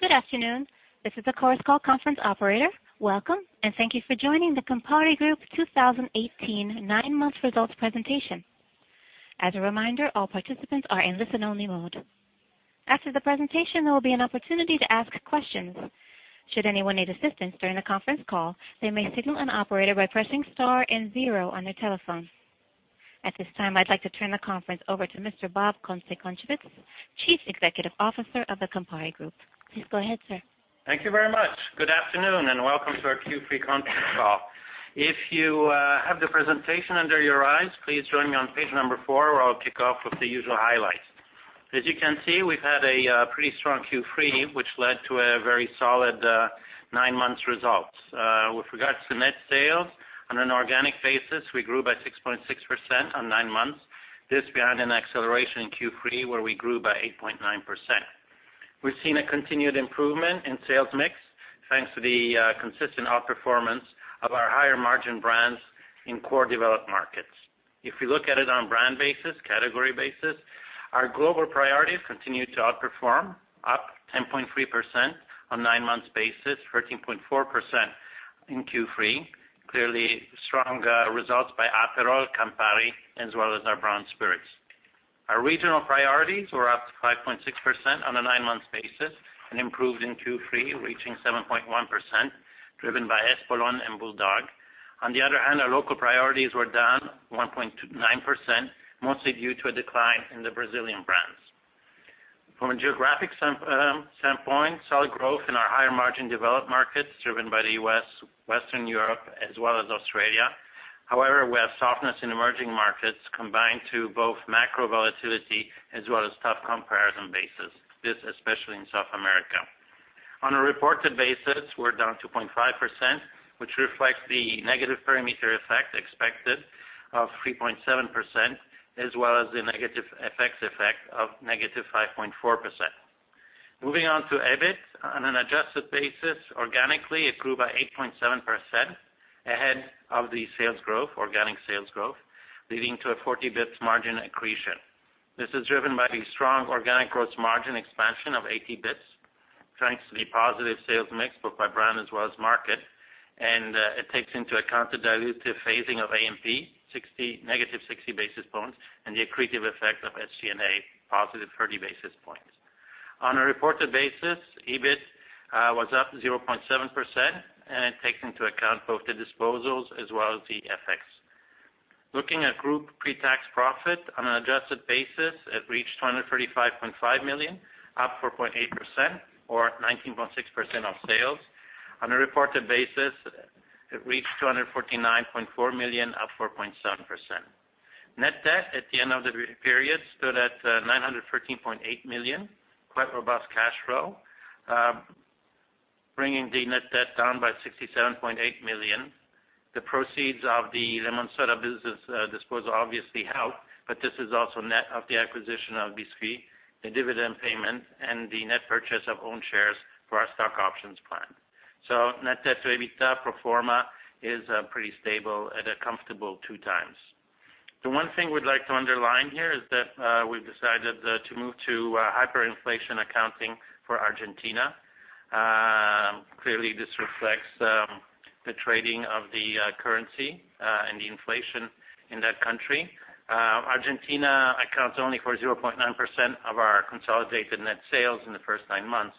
Good afternoon. This is the Chorus Call conference operator. Welcome, thank you for joining the Campari Group 2018 nine-month results presentation. As a reminder, all participants are in listen-only mode. After the presentation, there will be an opportunity to ask questions. Should anyone need assistance during the conference call, they may signal an operator by pressing star and zero on their telephone. At this time, I'd like to turn the conference over to Mr. Bob Kunze-Concewitz, Chief Executive Officer of the Campari Group. Please go ahead, sir. Thank you very much. Good afternoon, welcome to our Q3 conference call. If you have the presentation under your eyes, please join me on page number four, where I'll kick off with the usual highlights. As you can see, we've had a pretty strong Q3, which led to a very solid nine-months results. With regards to net sales, on an organic basis, we grew by 6.6% on nine months. This behind an acceleration in Q3, where we grew by 8.9%. We've seen a continued improvement in sales mix, thanks to the consistent outperformance of our higher margin brands in core developed markets. If we look at it on brand basis, category basis, our global priorities continued to outperform, up 10.3% on nine months basis, 13.4% in Q3. Clearly strong results by Aperol, Campari, as well as our brown spirits. Our regional priorities were up 5.6% on a nine-months basis. Improved in Q3, reaching 7.1%, driven by Espolòn and BULLDOG. On the other hand, our local priorities were down 1.9%, mostly due to a decline in the Brazilian brands. From a geographic standpoint, solid growth in our higher margin developed markets, driven by the U.S., Western Europe, as well as Australia. We have softness in emerging markets combined to both macro volatility as well as tough comparison basis, this especially in South America. On a reported basis, we're down 2.5%, which reflects the negative perimeter effect expected of 3.7%, as well as the negative FX effect of negative 5.4%. Moving on to EBIT. On an adjusted basis, organically, it grew by 8.7% ahead of the sales growth, organic sales growth, leading to a 40 basis points margin accretion. This is driven by the strong organic gross margin expansion of 80 basis points, thanks to the positive sales mix, both by brand as well as market. It takes into account the dilutive phasing of A&P, negative 60 basis points, and the accretive effect of SG&A, positive 30 basis points. On a reported basis, EBIT was up 0.7%. It takes into account both the disposals as well as the FX. Looking at group pre-tax profit on an adjusted basis, it reached 235.5 million, up 4.8% or 19.6% of sales. On a reported basis, it reached 249.4 million, up 4.7%. Net debt at the end of the period stood at 913.8 million. Quite robust cash flow, bringing the net debt down by 67.8 million. The proceeds of the LemonSoda business disposal obviously helped, this is also net of the acquisition of Bisquit, the dividend payment, and the net purchase of own shares for our stock options plan. Net debt to EBITDA pro forma is pretty stable at a comfortable two times. The one thing we'd like to underline here is that we've decided to move to hyperinflation accounting for Argentina. Clearly, this reflects the trading of the currency and the inflation in that country. Argentina accounts only for 0.9% of our consolidated net sales in the first nine months,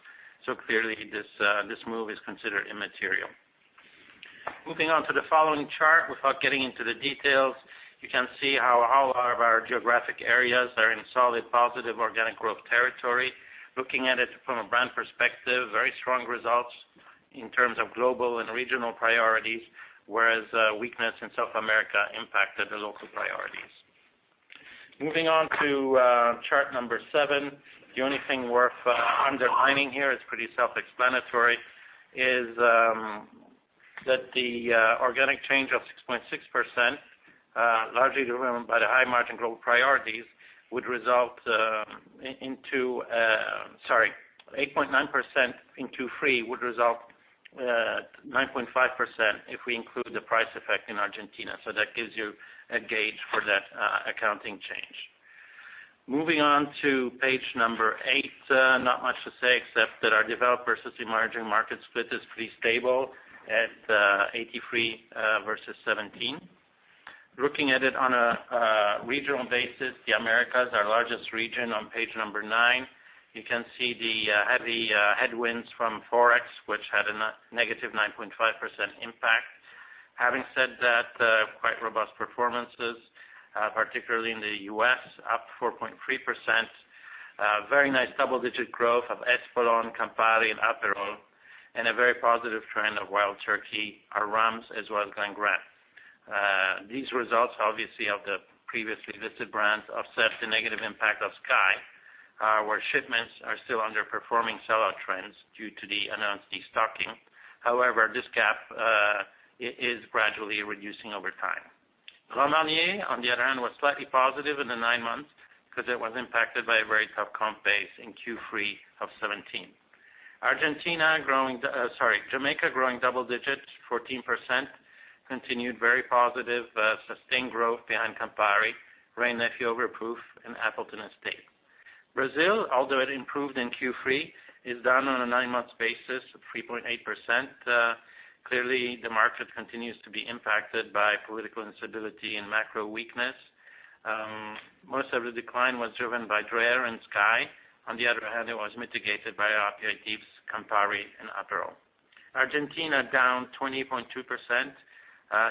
clearly this move is considered immaterial. Moving on to the following chart, without getting into the details, you can see how all of our geographic areas are in solid, positive organic growth territory. Looking at it from a brand perspective, very strong results in terms of global and regional priorities, whereas weakness in South America impacted the local priorities. Moving on to chart number seven. The only thing worth underlining here, it's pretty self-explanatory, is that the organic change of 6.6%, largely driven by the high margin global priorities, would result into 8.9% in Q3, would result 9.5% if we include the price effect in Argentina. That gives you a gauge for that accounting change. Moving on to page number eight. Not much to say except that our developed versus emerging markets split is pretty stable at 83 versus 17. Looking at it on a regional basis, the Americas, our largest region on page number nine, you can see the heavy headwinds from Forex, which had a negative 9.5% impact. Having said that, quite robust performances, particularly in the U.S., up 4.3%. A very nice double-digit growth of Espolòn, Campari, and Aperol, and a very positive trend of Wild Turkey, our rums, as well as Glen Grant. These results, obviously, of the previously listed brands offset the negative impact of SKYY, where shipments are still underperforming sell-out trends due to the announced de-stocking. However, this gap is gradually reducing over time. Grand Marnier, on the other hand, was slightly positive in the nine months because it was impacted by a very tough comp base in Q3 of 2017. Jamaica growing double digits, 14%, continued very positive, sustained growth behind Campari, Wray & Nephew Overproof, and Appleton Estate. Brazil, although it improved in Q3, is down on a nine-month basis of 3.8%. Clearly, the market continues to be impacted by political instability and macro weakness. Most of the decline was driven by Dreher and SKYY. On the other hand, it was mitigated by our aperitifs, Campari and Aperol. Argentina, down 20.2%.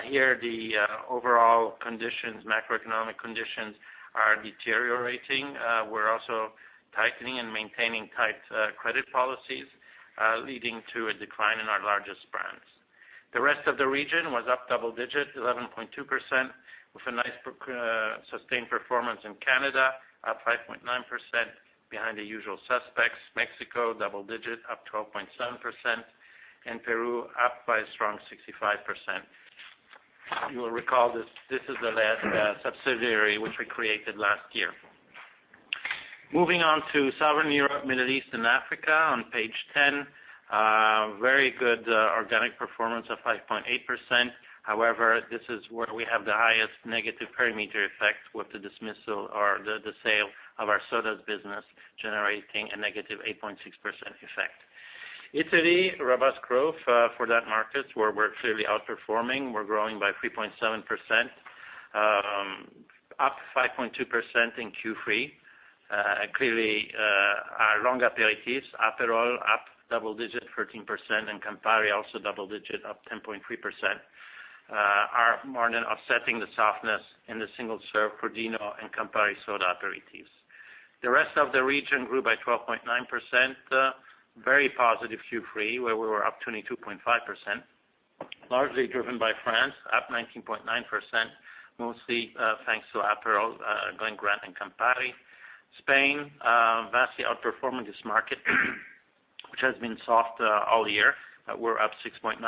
Here, the overall macroeconomic conditions are deteriorating. We're also tightening and maintaining tight credit policies, leading to a decline in our largest brands. The rest of the region was up double digits, 11.2%, with a nice sustained performance in Canada, up 5.9%, behind the usual suspects. Mexico, double digits, up 12.7%, and Peru up by a strong 65%. You will recall this is the last subsidiary which we created last year. Moving on to Southern Europe, Middle East, and Africa on Page 10. Very good organic performance of 5.8%. However, this is where we have the highest negative perimeter effect with the dismissal or the sale of our sodas business, generating a negative 8.6% effect. Italy, robust growth for that market where we're clearly outperforming. We're growing by 3.7%, up 5.2% in Q3. Clearly, our long aperitifs, Aperol up double digits, 13%, and Campari also double digits, up 10.3%, are more than offsetting the softness in the single serve Crodino and Campari Soda aperitifs. The rest of the region grew by 12.9%. Very positive Q3, where we were up 22.5%, largely driven by France, up 19.9%, mostly thanks to Aperol, Glen Grant, and Campari. Spain, vastly outperforming this market which has been soft all year. We're up 6.9%,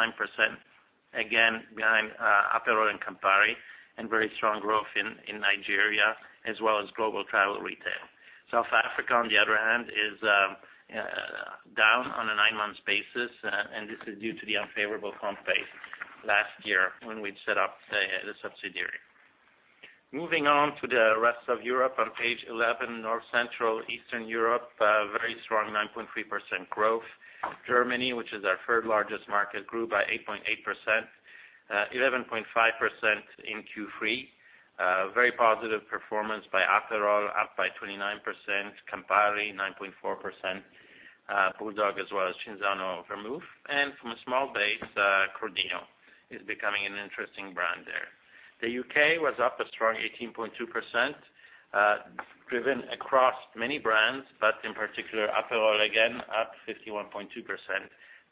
again behind Aperol and Campari, and very strong growth in Nigeria as well as global travel retail. South Africa, on the other hand, is down on a nine-month basis, and this is due to the unfavorable comp base last year when we'd set up the subsidiary. Moving on to the rest of Europe on Page 11, North, Central, Eastern Europe, very strong, 9.3% growth. Germany, which is our third-largest market, grew by 8.8%, 11.5% in Q3. Very positive performance by Aperol, up by 29%, Campari 9.4%, BULLDOG, as well as Cinzano Vermouth, and from a small base, Crodino is becoming an interesting brand there. The U.K. was up a strong 18.2%, driven across many brands, but in particular, Aperol again, up 51.2%,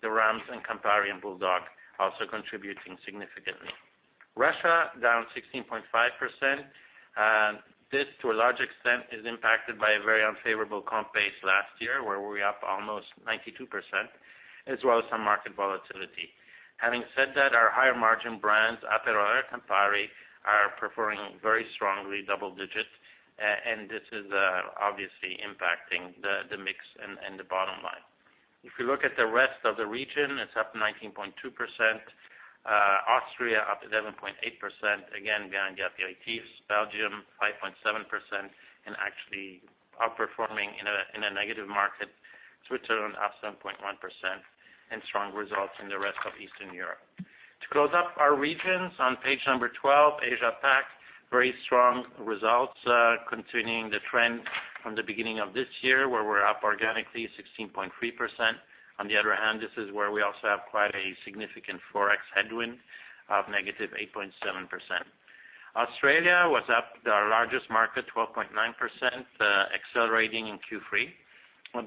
Dewar's, and Campari, and BULLDOG also contributing significantly. Russia, down 16.5%, and this, to a large extent, is impacted by a very unfavorable comp base last year, where we were up almost 92%, as well as some market volatility. Having said that, our higher-margin brands, Aperol and Campari, are performing very strongly, double digits, and this is obviously impacting the mix and the bottom line. If you look at the rest of the region, it's up 19.2%. Austria up 11.8%, again, behind the aperitifs. Belgium 5.7% and actually outperforming in a negative market. Switzerland up 7.1%, and strong results in the rest of Eastern Europe. To close up our regions on page number 12, Asia Pac, very strong results continuing the trend from the beginning of this year, where we're up organically 16.3%. On the other hand, this is where we also have quite a significant Forex headwind of negative 8.7%. Australia was up, our largest market, 12.9%, accelerating in Q3.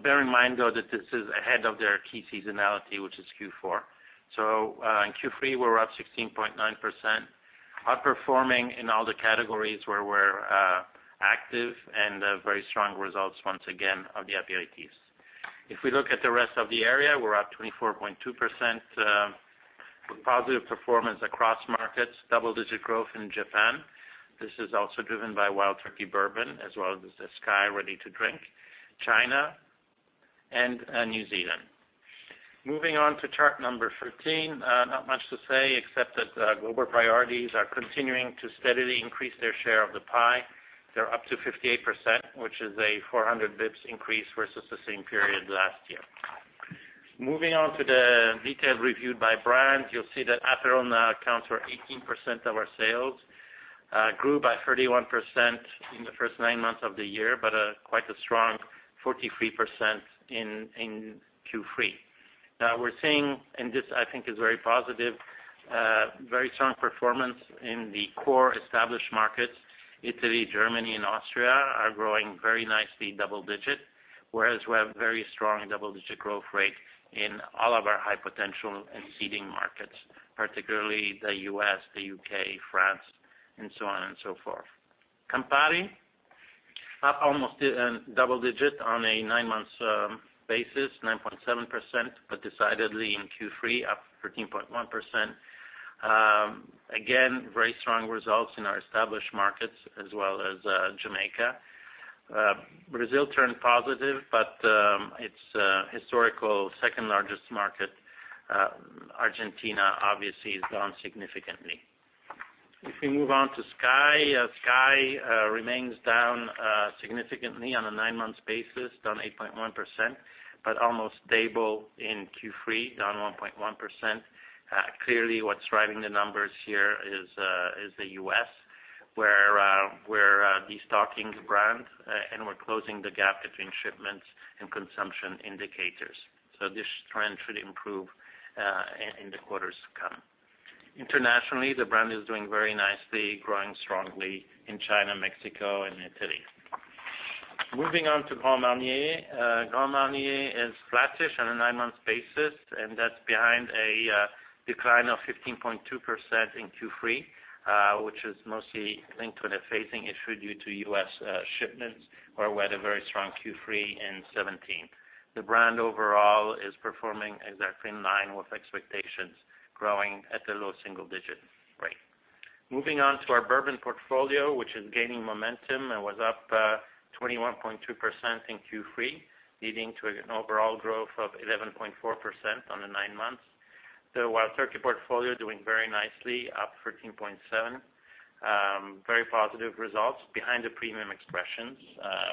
Bear in mind, though, that this is ahead of their key seasonality, which is Q4. In Q3, we're up 16.9%, outperforming in all the categories where we're active and very strong results, once again of the aperitifs. If we look at the rest of the area, we're up 24.2% with positive performance across markets. Double-digit growth in Japan. This is also driven by Wild Turkey Bourbon, as well as the SKYY Ready to Drink, China, and New Zealand. Moving on to chart number 13. Not much to say except that global priorities are continuing to steadily increase their share of the pie. They're up to 58%, which is a 400 basis points increase versus the same period last year. Moving on to the detailed review by brand. You'll see that Aperol now accounts for 18% of our sales, grew by 31% in the first nine months of the year, but quite a strong 43% in Q3. Now we're seeing, and this I think is very positive, very strong performance in the core established markets. Italy, Germany, and Austria are growing very nicely, double digits, whereas we have very strong double-digit growth rate in all of our high-potential and seeding markets, particularly the U.S., the U.K., France, and so on and so forth. Campari, up almost double digits on a nine-month basis, 9.7%, but decidedly in Q3, up 13.1%. Very strong results in our established markets as well as Jamaica. Brazil turned positive, but its historical second largest market, Argentina, obviously has gone significantly. If we move on to SKYY. SKYY remains down significantly on a nine-month basis, down 8.1%, but almost stable in Q3, down 1.1%. Clearly, what's driving the numbers here is the U.S., where we're destocking the brand, and we're closing the gap between shipments and consumption indicators. This trend should improve in the quarters to come. Internationally, the brand is doing very nicely, growing strongly in China, Mexico, and Italy. Moving on to Grand Marnier. Grand Marnier is flattish on a nine-month basis, and that's behind a decline of 15.2% in Q3, which is mostly linked to the phasing issue due to U.S. shipments, where we had a very strong Q3 in 2017. The brand overall is performing exactly in line with expectations, growing at a low single-digit rate. Moving on to our Bourbon portfolio, which is gaining momentum and was up 21.2% in Q3, leading to an overall growth of 11.4% on the nine months. The Wild Turkey portfolio doing very nicely, up 13.7%. Very positive results behind the premium expressions,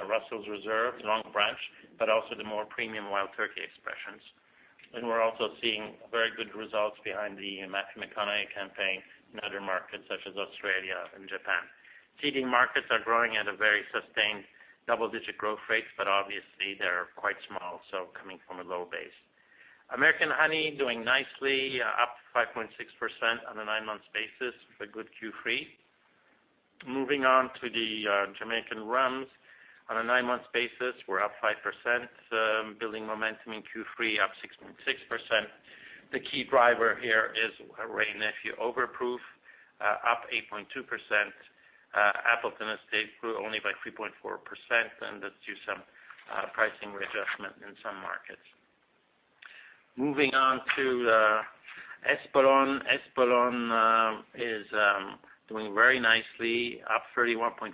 Russell's Reserve, Longbranch, but also the more premium Wild Turkey expressions. We're also seeing very good results behind the Matthew McConaughey campaign in other markets such as Australia and Japan. Leading markets are growing at a very sustained double-digit growth rate, but obviously, they're quite small, so coming from a low base. American Honey doing nicely, up 5.6% on a nine-month basis with a good Q3. Moving on to the Jamaican rums. On a nine-month basis, we're up 5%, building momentum in Q3, up 6.6%. The key driver here is Wray & Nephew Overproof, up 8.2%. Appleton Estate grew only by 3.4%, and that's due some pricing readjustment in some markets. Moving on to Espolòn. Espolòn is doing very nicely, up 31.5%.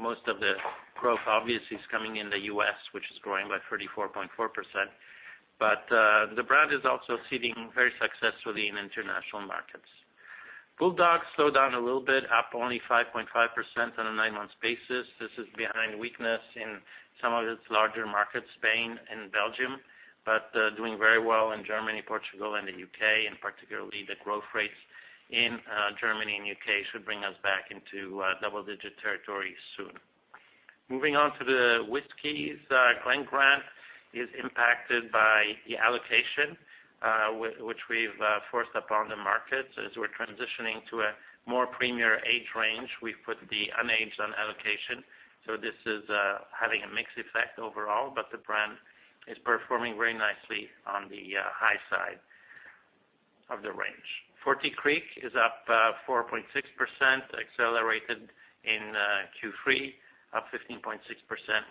Most of the growth, obviously, is coming in the U.S., which is growing by 34.4%. The brand is also seeding very successfully in international markets. BULLDOG slowed down a little bit, up only 5.5% on a nine-month basis. This is behind weakness in some of its larger markets, Spain and Belgium, but doing very well in Germany, Portugal, and the U.K., and particularly the growth rates in Germany and U.K. should bring us back into double-digit territory soon. Moving on to the whiskeys. Glen Grant is impacted by the allocation, which we've forced upon the markets. As we're transitioning to a more premier age range, we've put the unaged on allocation. This is having a mixed effect overall, but the brand is performing very nicely on the high side of the range. Forty Creek is up 4.6%, accelerated in Q3, up 15.6%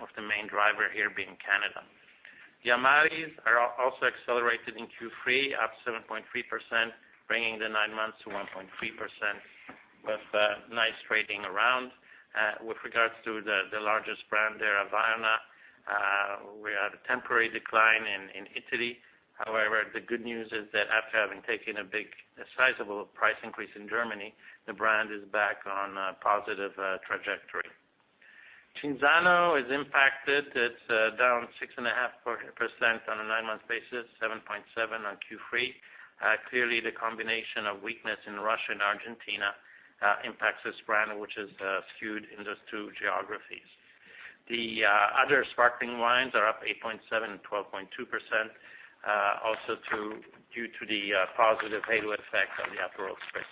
with the main driver here being Canada. The Amari are also accelerated in Q3, up 7.3%, bringing the nine months to 1.3% with nice trading around. With regards to the largest brand there, Averna, we had a temporary decline in Italy. However, the good news is that after having taken a big, sizable price increase in Germany, the brand is back on a positive trajectory. Cinzano is impacted. It's down 6.5% on a nine-month basis, 7.7% on Q3. Clearly, the combination of weakness in Russia and Argentina impacts this brand, which is skewed in those two geographies. The other sparkling wines are up 8.7% and 12.2%, also due to the positive halo effect on the Aperol Spritz.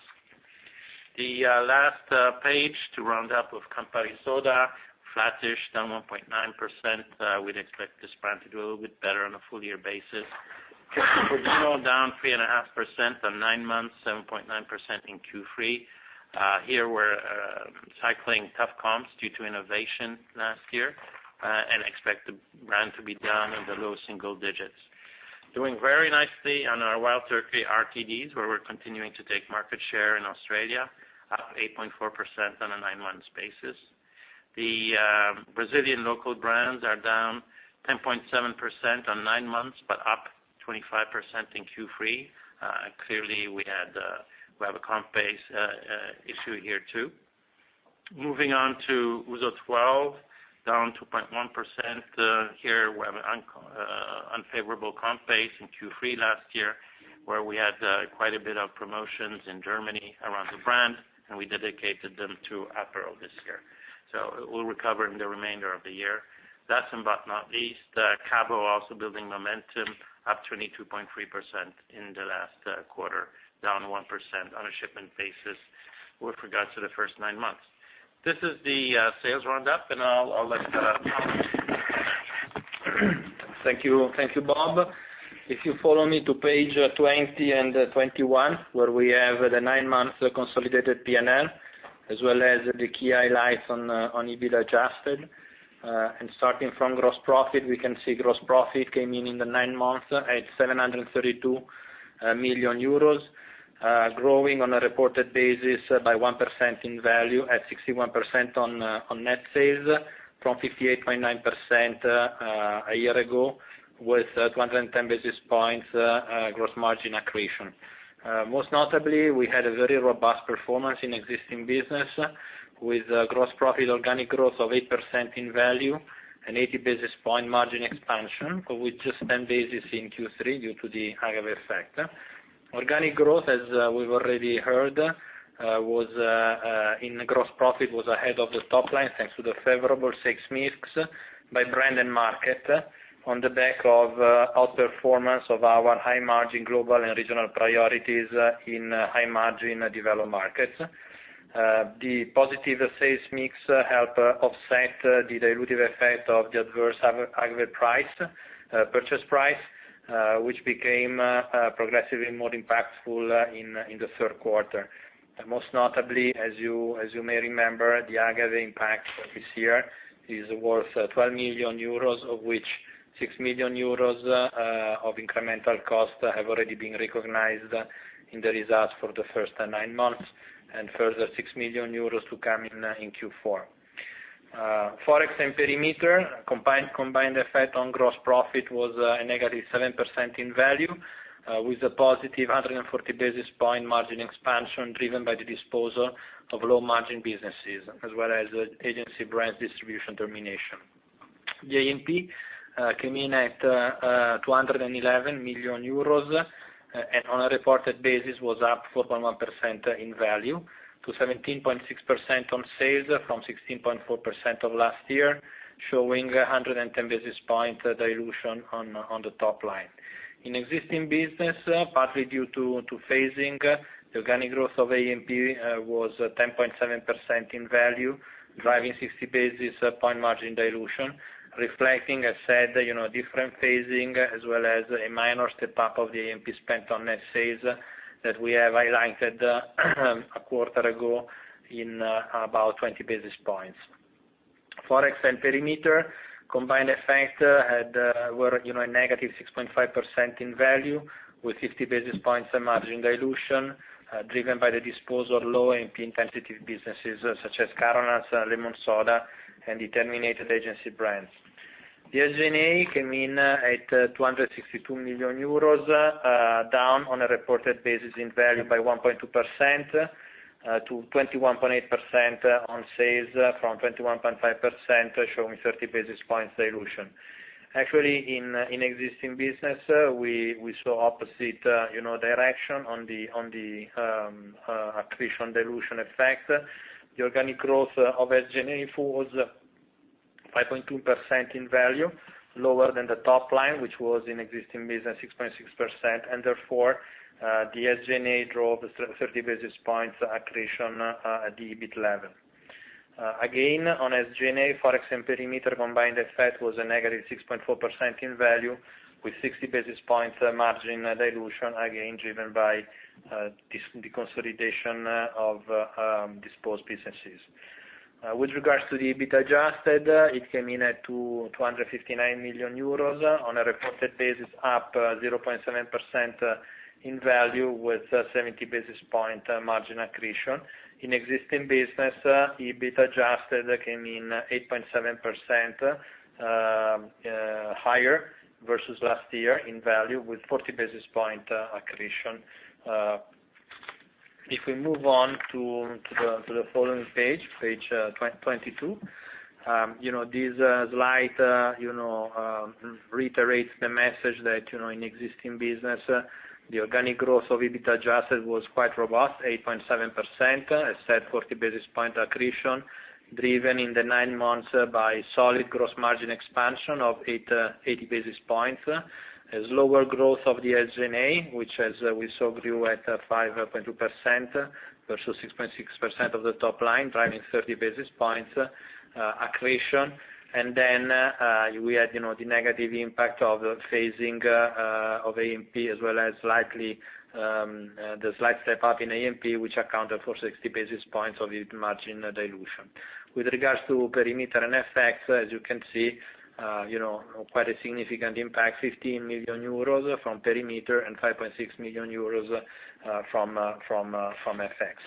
The last page to round up with Campari Soda, flattish, down 1.9%. We'd expect this brand to do a little bit better on a full year basis. Campari Milano down 3.5% on nine months, 7.9% in Q3. Here, we're cycling tough comps due to innovation last year, and expect the brand to be down in the low single digits. Doing very nicely on our Wild Turkey RTDs, where we're continuing to take market share in Australia, up 8.4% on a nine-month basis. The Brazilian local brands are down 10.7% on nine months, but up 25% in Q3. Clearly, we have a comp base issue here, too. Moving on to Ouzo 12, down 2.1%. Here we have an unfavorable comp base in Q3 last year, where we had quite a bit of promotions in Germany around the brand, and we dedicated them to Aperol this year. It will recover in the remainder of the year. Last but not least, Cabo also building momentum, up 22.3% in the last quarter, down 1% on a shipment basis with regards to the first nine months. This is the sales roundup, and I'll let Davide take it from here. Thank you, Bob. If you follow me to page 20 and 21, where we have the nine-month consolidated P&L. As well as the key highlights on EBITDA adjusted. Starting from gross profit, we can see gross profit came in in the nine months at €732 million, growing on a reported basis by 1% in value at 61% on net sales from 58.9% a year ago, with 110 basis points gross margin accretion. Most notably, we had a very robust performance in existing business with gross profit organic growth of 8% in value and 80 basis point margin expansion, with just 10 basis in Q3 due to the Agave effect. Organic growth, as we've already heard, in the gross profit was ahead of the top line, thanks to the favorable sales mix by brand and market, on the back of outperformance of our high margin global and regional priorities in high margin developed markets. The positive sales mix helped offset the dilutive effect of the adverse Agave purchase price, which became progressively more impactful in the third quarter. Most notably, as you may remember, the Agave impact this year is worth €12 million, of which €6 million of incremental costs have already been recognized in the results for the first nine months, and further €6 million to come in in Q4. Forex and perimeter combined effect on gross profit was a negative 7% in value, with a positive 140 basis point margin expansion driven by the disposal of low margin businesses as well as agency brands distribution termination. On a reported basis was up 4.1% in value to 17.6% on sales from 16.4% of last year, showing 110 basis point dilution on the top line. In existing business, partly due to phasing, the organic growth of A&P was 10.7% in value, driving 60 basis point margin dilution, reflecting, as said, different phasing as well as a minor step up of the A&P spent on net sales that we have highlighted a quarter ago in about 20 basis points. Forex and perimeter combined effect had a negative 6.5% in value with 50 basis points margin dilution driven by the disposal of low A&P intensity businesses such as Carolans, LemonSoda, and the terminated agency brands. The SG&A came in at 262 million euros, down on a reported basis in value by 1.2% to 21.8% on sales from 21.5%, showing 30 basis points dilution. Actually, in existing business, we saw opposite direction on the attrition dilution effect. The organic growth of SG&A was 5.2% in value, lower than the top line, which was in existing business 6.6%. Therefore the SG&A drove 30 basis points accretion at the EBIT level. Again, on SG&A, Forex and perimeter combined effect was a negative 6.4% in value, with 60 basis points margin dilution, again, driven by the consolidation of disposed businesses. With regards to the EBIT adjusted, it came in at 259 million euros on a reported basis, up 0.7% in value with 70 basis point margin accretion. In existing business, EBIT adjusted came in 8.7% higher versus last year in value with 40 basis point accretion. If we move on to the following page 22. This slide reiterates the message that in existing business, the organic growth of EBIT adjusted was quite robust, 8.7%, I said 40 basis point accretion driven in the nine months by solid gross margin expansion of 80 basis points. As lower growth of the SG&A, which as we saw grew at 5.2% versus 6.6% of the top line, driving 30 basis points accretion. Then we had the negative impact of the phasing of A&P as well as the slight step up in A&P, which accounted for 60 basis points of EBIT margin dilution. With regards to perimeter and FX, as you can see, quite a significant impact, 15 million euros from perimeter and 5.6 million euros from FX.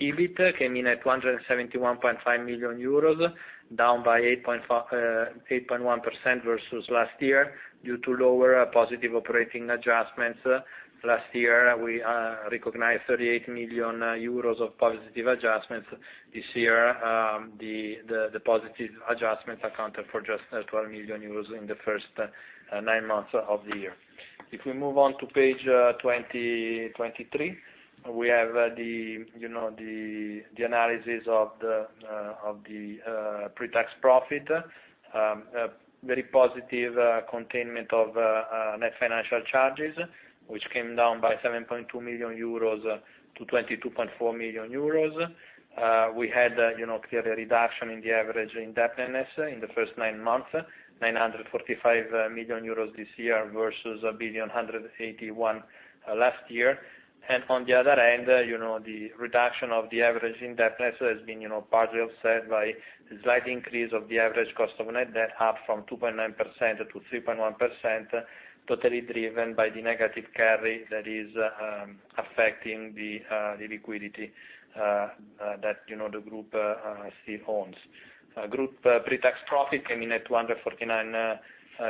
EBIT came in at 271.5 million euros, down by 8.1% versus last year due to lower positive operating adjustments. Last year, we recognized 38 million euros of positive adjustments. This year, the positive adjustments accounted for just 12 million euros in the first nine months of the year. If we move on to page 23, we have the analysis of the pre-tax profit. Very positive containment of net financial charges, which came down by 7.2 million euros to 22.4 million euros. We had clear reduction in the average indebtedness in the first nine months, 945 million euros this year versus 1,181 million last year. On the other end, the reduction of the average indebtedness has been partly offset by a slight increase of the average cost of net debt up from 2.9% to 3.1%, totally driven by the negative carry that is affecting the liquidity that the group still owns. Group pre-tax profit came in at 249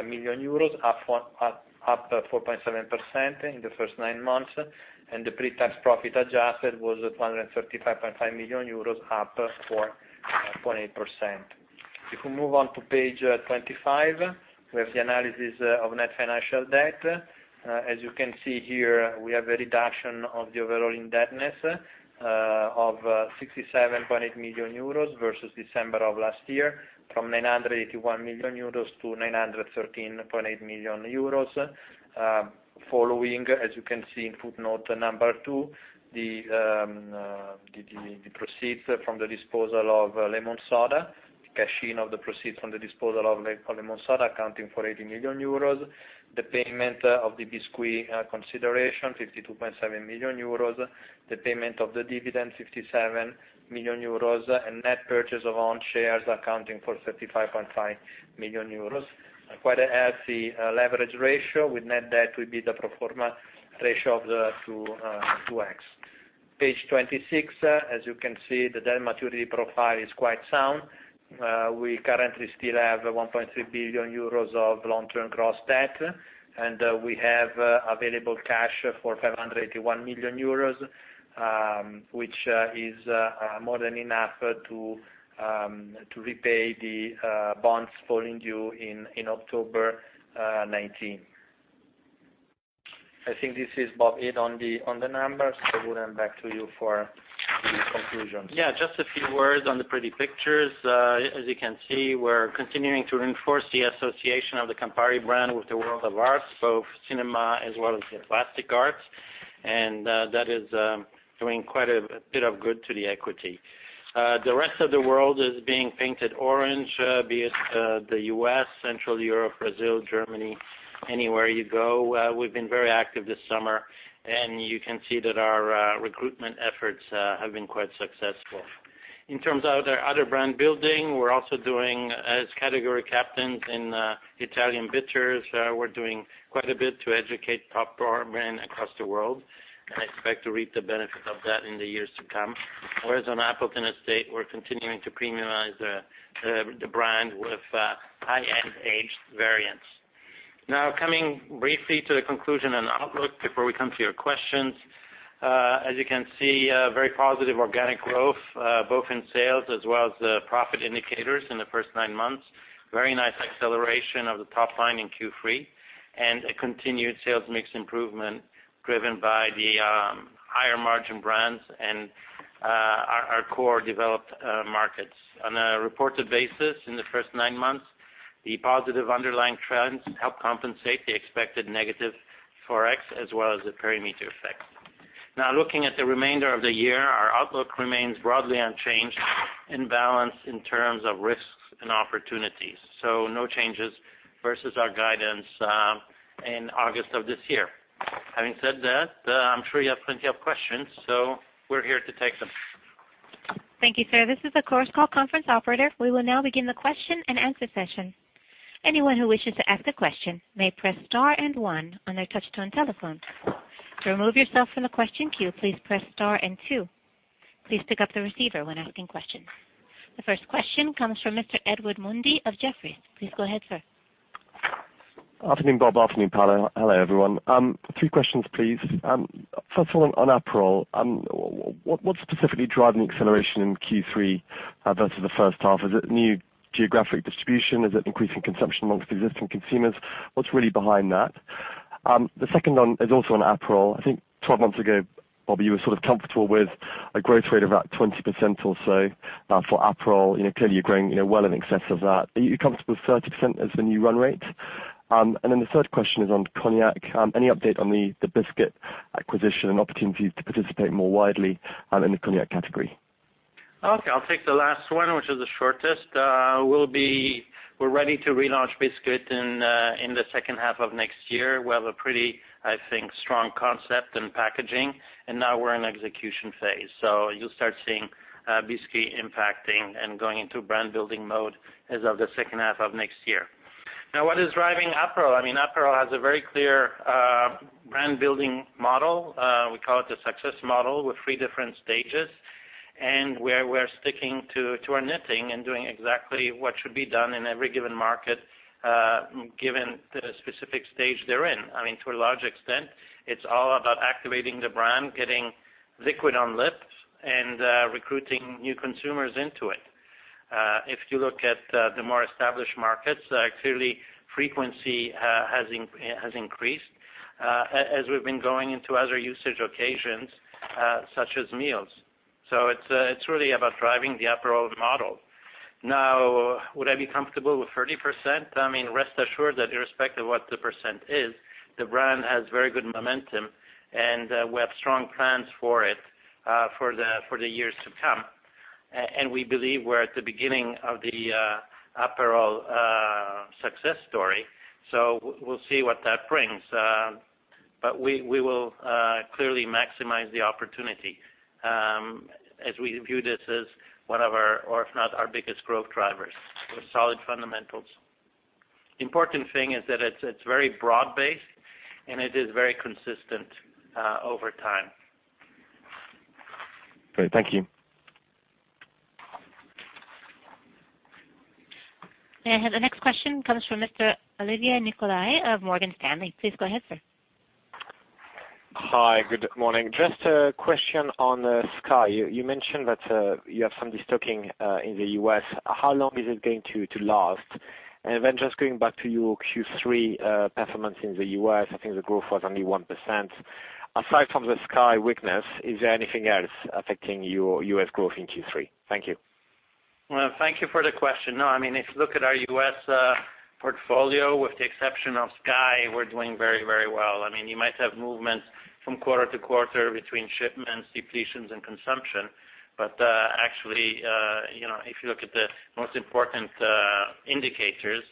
million euros, up 4.7% in the first nine months. The pre-tax profit adjusted was 435.5 million euros, up 4.8%. If we move on to page 25, we have the analysis of net financial debt. As you can see here, we have a reduction of the overall indebtedness of 67.8 million euros versus December of last year, from 981 million euros to 913.8 million euros, following, as you can see in footnote number two, the proceeds from the disposal of LemonSoda, the cashing of the proceeds from the disposal of LemonSoda accounting for 80 million euros, the payment of the Bisquit consideration, 52.7 million euros, the payment of the dividend, 57 million euros, and net purchase of own shares accounting for 35.5 million euros. Quite a healthy leverage ratio with net debt will be the pro forma ratio of the 2x. Page 26, as you can see, the debt maturity profile is quite sound. We currently still have 1.3 billion euros of long-term gross debt, and we have available cash for 581 million euros, which is more than enough to repay the bonds falling due in October 2019. I think this is about it on the numbers. Bob, back to you for the conclusions. Just a few words on the pretty pictures. As you can see, we're continuing to reinforce the association of the Campari brand with the world of arts, both cinema as well as the plastic arts, and that is doing quite a bit of good to the equity. The rest of the world is being painted orange, be it the U.S., Central Europe, Brazil, Germany, anywhere you go. We've been very active this summer, and you can see that our recruitment efforts have been quite successful. In terms of our other brand building, we're also doing as category captains in Italian bitters. We're doing quite a bit to educate top bartenders brand across the world, and expect to reap the benefit of that in the years to come. Whereas on Appleton Estate, we're continuing to premiumize the brand with high-end aged variants. Coming briefly to the conclusion and outlook before we come to your questions. As you can see, very positive organic growth both in sales as well as profit indicators in the first nine months. Very nice acceleration of the top line in Q3, and a continued sales mix improvement driven by the higher margin brands and our core developed markets. On a reported basis in the first nine months, the positive underlying trends help compensate the expected negative Forex as well as the perimeter effect. Looking at the remainder of the year, our outlook remains broadly unchanged in balance in terms of risks and opportunities. No changes versus our guidance in August of this year. Having said that, I'm sure you have plenty of questions, we're here to take them. Thank you, sir. This is the Chorus Call conference operator. We will now begin the question and answer session. Anyone who wishes to ask a question may press star and one on their touch-tone telephone. To remove yourself from the question queue, please press star and two. Please pick up the receiver when asking questions. The first question comes from Mr. Edward Mundy of Jefferies. Please go ahead, sir. Afternoon, Bob. Afternoon, Paolo. Hello, everyone. Three questions, please. First of all, on Aperol, what's specifically driving acceleration in Q3 versus the first half? Is it new geographic distribution? Is it increasing consumption amongst existing consumers? What's really behind that? The second one is also on Aperol. I think 12 months ago, Bob, you were sort of comfortable with a growth rate of about 20% or so for Aperol. Clearly, you're growing well in excess of that. Are you comfortable with 30% as the new run rate? Then the third question is on cognac. Any update on the Bisquit acquisition and opportunity to participate more widely in the cognac category? Okay. I'll take the last one, which is the shortest. We're ready to relaunch Bisquit in the second half of next year. We have a pretty, I think, strong concept in packaging, and now we're in execution phase. You'll start seeing Bisquit impacting and going into brand building mode as of the second half of next year. What is driving Aperol? Aperol has a very clear brand building model. We call it the success model with 3 different stages, and where we're sticking to our knitting and doing exactly what should be done in every given market given the specific stage they're in. To a large extent, it's all about activating the brand, getting liquid on lips, and recruiting new consumers into it. If you look at the more established markets, clearly frequency has increased as we've been going into other usage occasions, such as meals. It's really about driving the Aperol model. Would I be comfortable with 30%? Rest assured that irrespective of what the percent is, the brand has very good momentum, and we have strong plans for it for the years to come. We believe we're at the beginning of the Aperol success story, so we'll see what that brings. We will clearly maximize the opportunity as we view this as one of our, or if not, our biggest growth drivers with solid fundamentals. Important thing is that it's very broad-based, and it is very consistent over time. Great. Thank you. I have the next question comes from Mr. Olivier Nicolai of Morgan Stanley. Please go ahead, sir. Hi. Good morning. Just a question on SKYY. You mentioned that you have some destocking in the U.S. How long is it going to last? Then just going back to your Q3 performance in the U.S., I think the growth was only 1%. Aside from the SKYY weakness, is there anything else affecting your U.S. growth in Q3? Thank you. Well, thank you for the question. No, if you look at our U.S. portfolio, with the exception of SKYY, we're doing very well. You might have movements from quarter to quarter between shipments, depletions, and consumption. Actually, if you look at the most important indicators,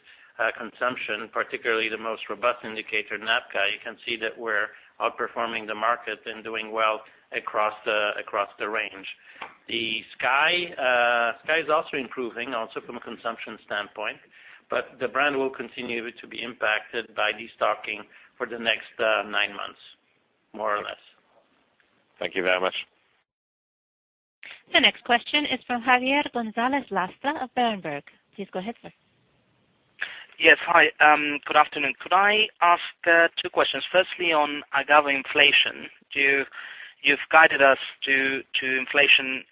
consumption, particularly the most robust indicator, NABCA, you can see that we're outperforming the market and doing well across the range. The SKYY is also improving also from a consumption standpoint, but the brand will continue to be impacted by destocking for the next nine months, more or less. Thank you very much. The next question is from Javier Gonzalez Lastra of Berenberg. Please go ahead, sir. Yes. Hi, good afternoon. Could I ask two questions, firstly, on agave inflation. You've guided us to inflation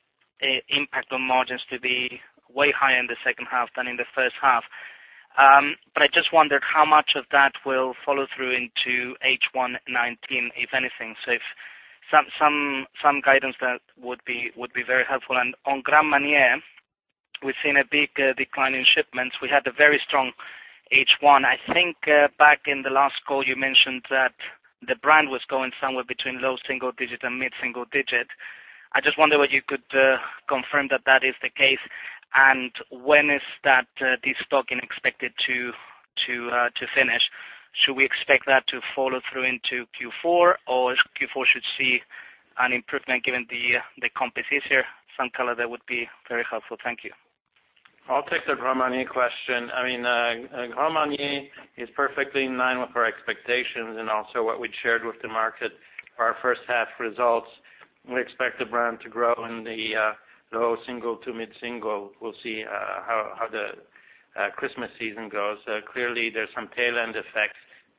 impact on margins to be way higher in the second half than in the first half. I just wondered how much of that will follow through into H1 2019, if anything? If some guidance there would be very helpful. On Grand Marnier, we've seen a big decline in shipments. We had a very strong H1. I think back in the last call, you mentioned that the brand was going somewhere between low single digit and mid-single digit. I just wonder whether you could confirm that that is the case, and when is that destocking expected to finish? Should we expect that to follow through into Q4 should see an improvement given the comps easier? Some color there would be very helpful. Thank you. I'll take the Grand Marnier question. Grand Marnier is perfectly in line with our expectations and also what we shared with the market for our first half results. We expect the brand to grow in the low single to mid-single. We'll see how the Christmas season goes. Clearly, there's some tail end effects.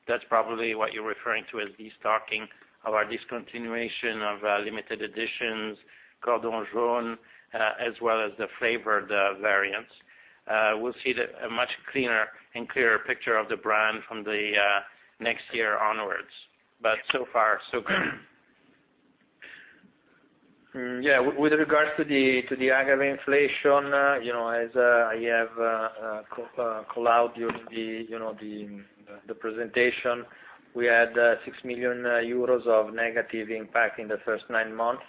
That's probably what you're referring to as destocking of our discontinuation of limited editions, Cordon Rouge, as well as the flavored variants. We'll see a much cleaner and clearer picture of the brand from the next year onwards. So far, so good. Yeah. With regards to the agave inflation, as I have called out during the presentation, we had 6 million euros of negative impact in the first nine months.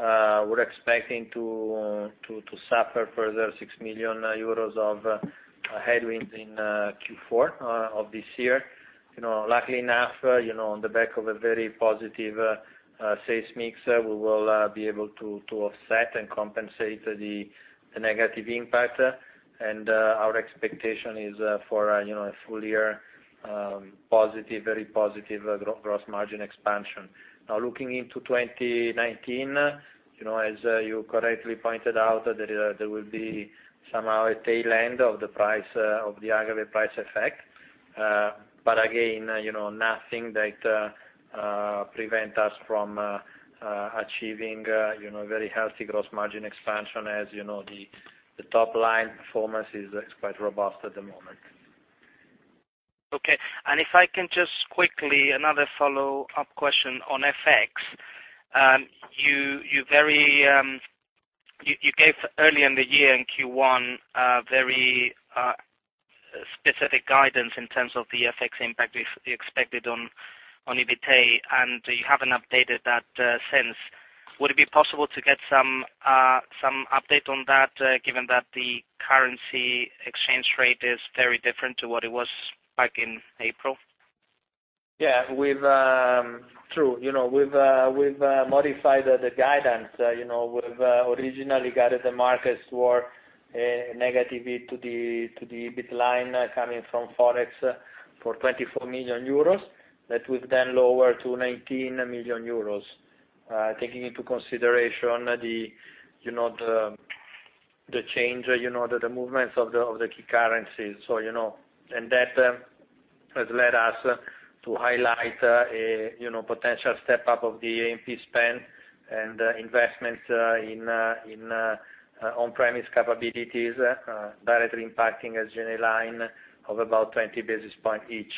We're expecting to suffer further 6 million euros of headwinds in Q4 of this year. Luckily enough, on the back of a very positive sales mix, we will be able to offset and compensate the negative impact, and our expectation is for a full year very positive gross margin expansion. Looking into 2019, as you correctly pointed out, there will be somehow a tail end of the agave price effect. Again, nothing that prevent us from achieving a very healthy gross margin expansion as the top-line performance is quite robust at the moment. Okay. If I can just quickly, another follow-up question on FX. You gave early in the year in Q1 a very specific guidance in terms of the FX impact you expected on EBIT, and you haven't updated that since. Would it be possible to get some update on that, given that the currency exchange rate is very different to what it was back in April? Yeah. True. We've modified the guidance. We've originally guided the markets toward a negativity to the EBIT line coming from Forex for 24 million euros. That we've then lowered to 19 million euros, taking into consideration the change, the movements of the key currencies. That has led us to highlight a potential step up of the AMP spend and investments in on-premise capabilities, directly impacting as general line of about 20 basis point each.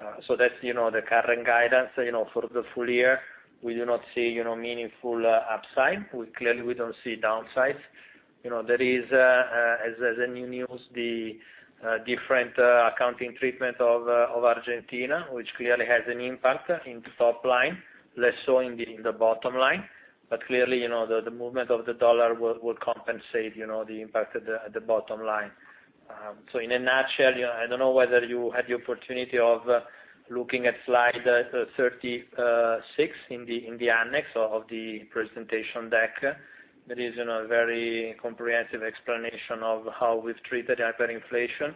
That's the current guidance. For the full year, we do not see meaningful upside. Clearly, we don't see downsides. There is, as a new news, the different accounting treatment of Argentina, which clearly has an impact into top-line, less so in the bottom-line. Clearly, the movement of the dollar will compensate the impact at the bottom-line. In a nutshell, I don't know whether you had the opportunity of looking at slide 36 in the annex of the presentation deck. That is a very comprehensive explanation of how we've treated hyperinflation.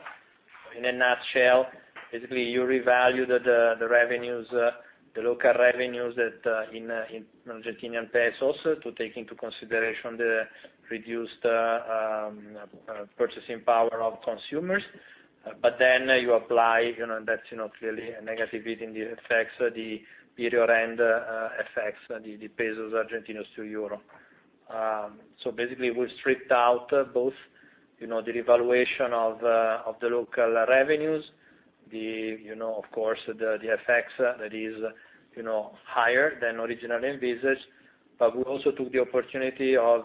In a nutshell, basically you revalue the local revenues in Argentinian pesos to take into consideration the reduced purchasing power of consumers. Then you apply, that's clearly a negativity in the effects, the period end effects, the pesos Argentinos to EUR. Basically, we've stripped out both the revaluation of the local revenues, of course, the FX that is higher than originally envisaged. We also took the opportunity of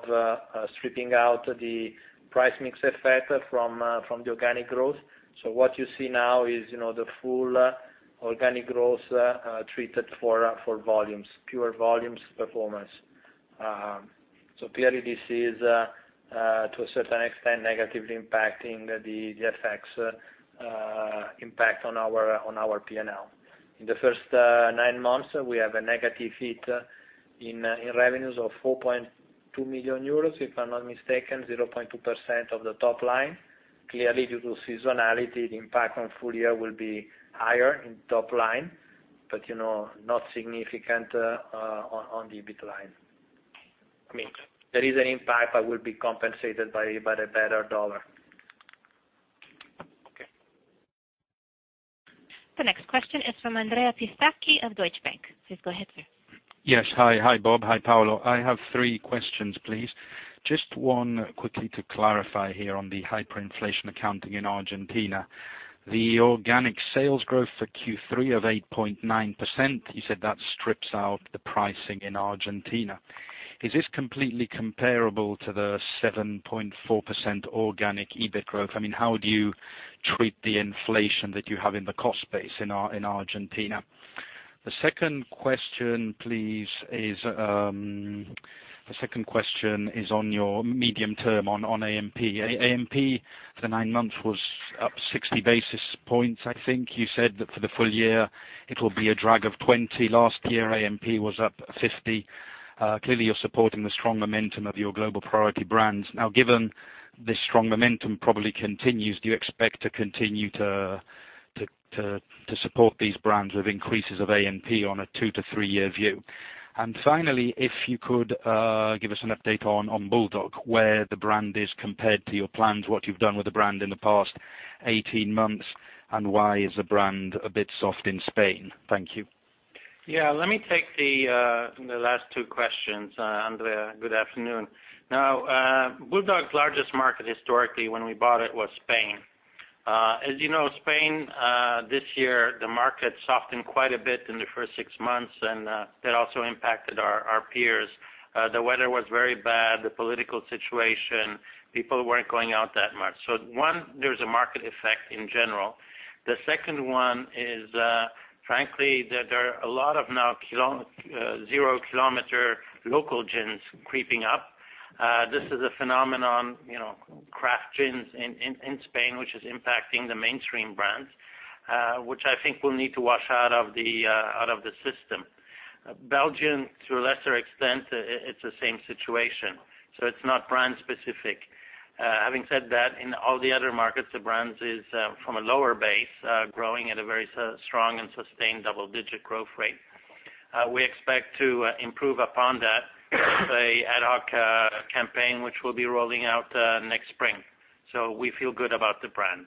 stripping out the price mix effect from the organic growth. What you see now is the full organic growth treated for volumes, pure volumes performance. Clearly, this is, to a certain extent, negatively impacting the FX impact on our P&L. In the first nine months, we have a negative hit in revenues of 4.2 million euros, if I'm not mistaken, 0.2% of the top line. Clearly due to seasonality, the impact on full year will be higher in top line, but not significant on the EBIT line. There is an impact that will be compensated by the better dollar. Okay. The next question is from Andrea Pistacchi of Deutsche Bank. Please go ahead, sir. Yes. Hi, Bob. Hi, Paolo. I have three questions, please. Just one quickly to clarify here on the hyperinflation accounting in Argentina. The organic sales growth for Q3 of 8.9%, you said that strips out the pricing in Argentina. Is this completely comparable to the 7.4% organic EBIT growth? How do you treat the inflation that you have in the cost base in Argentina? The second question is on your medium term on AMP. AMP for the nine months was up 60 basis points, I think. You said that for the full year it will be a drag of 20. Last year, AMP was up 50. Clearly, you're supporting the strong momentum of your global priority brands. Now, given this strong momentum probably continues, do you expect to continue to support these brands with increases of AMP on a two to three-year view? Finally, if you could give us an update on BULLDOG, where the brand is compared to your plans, what you've done with the brand in the past 18 months, and why is the brand a bit soft in Spain? Thank you. Yeah. Let me take the last two questions, Andrea. Good afternoon. BULLDOG's largest market historically when we bought it was Spain. As you know, Spain, this year, the market softened quite a bit in the first six months, and it also impacted our peers. The weather was very bad, the political situation, people weren't going out that much. One, there's a market effect in general. The second one is, frankly, that there are a lot of now zero kilometer local gins creeping up. This is a phenomenon, craft gins in Spain, which is impacting the mainstream brands, which I think will need to wash out of the system. Belgium, to a lesser extent, it's the same situation, so it's not brand specific. Having said that, in all the other markets, the brands is from a lower base, growing at a very strong and sustained double digit growth rate. We expect to improve upon that with a ad hoc campaign, which we'll be rolling out next spring. We feel good about the brand.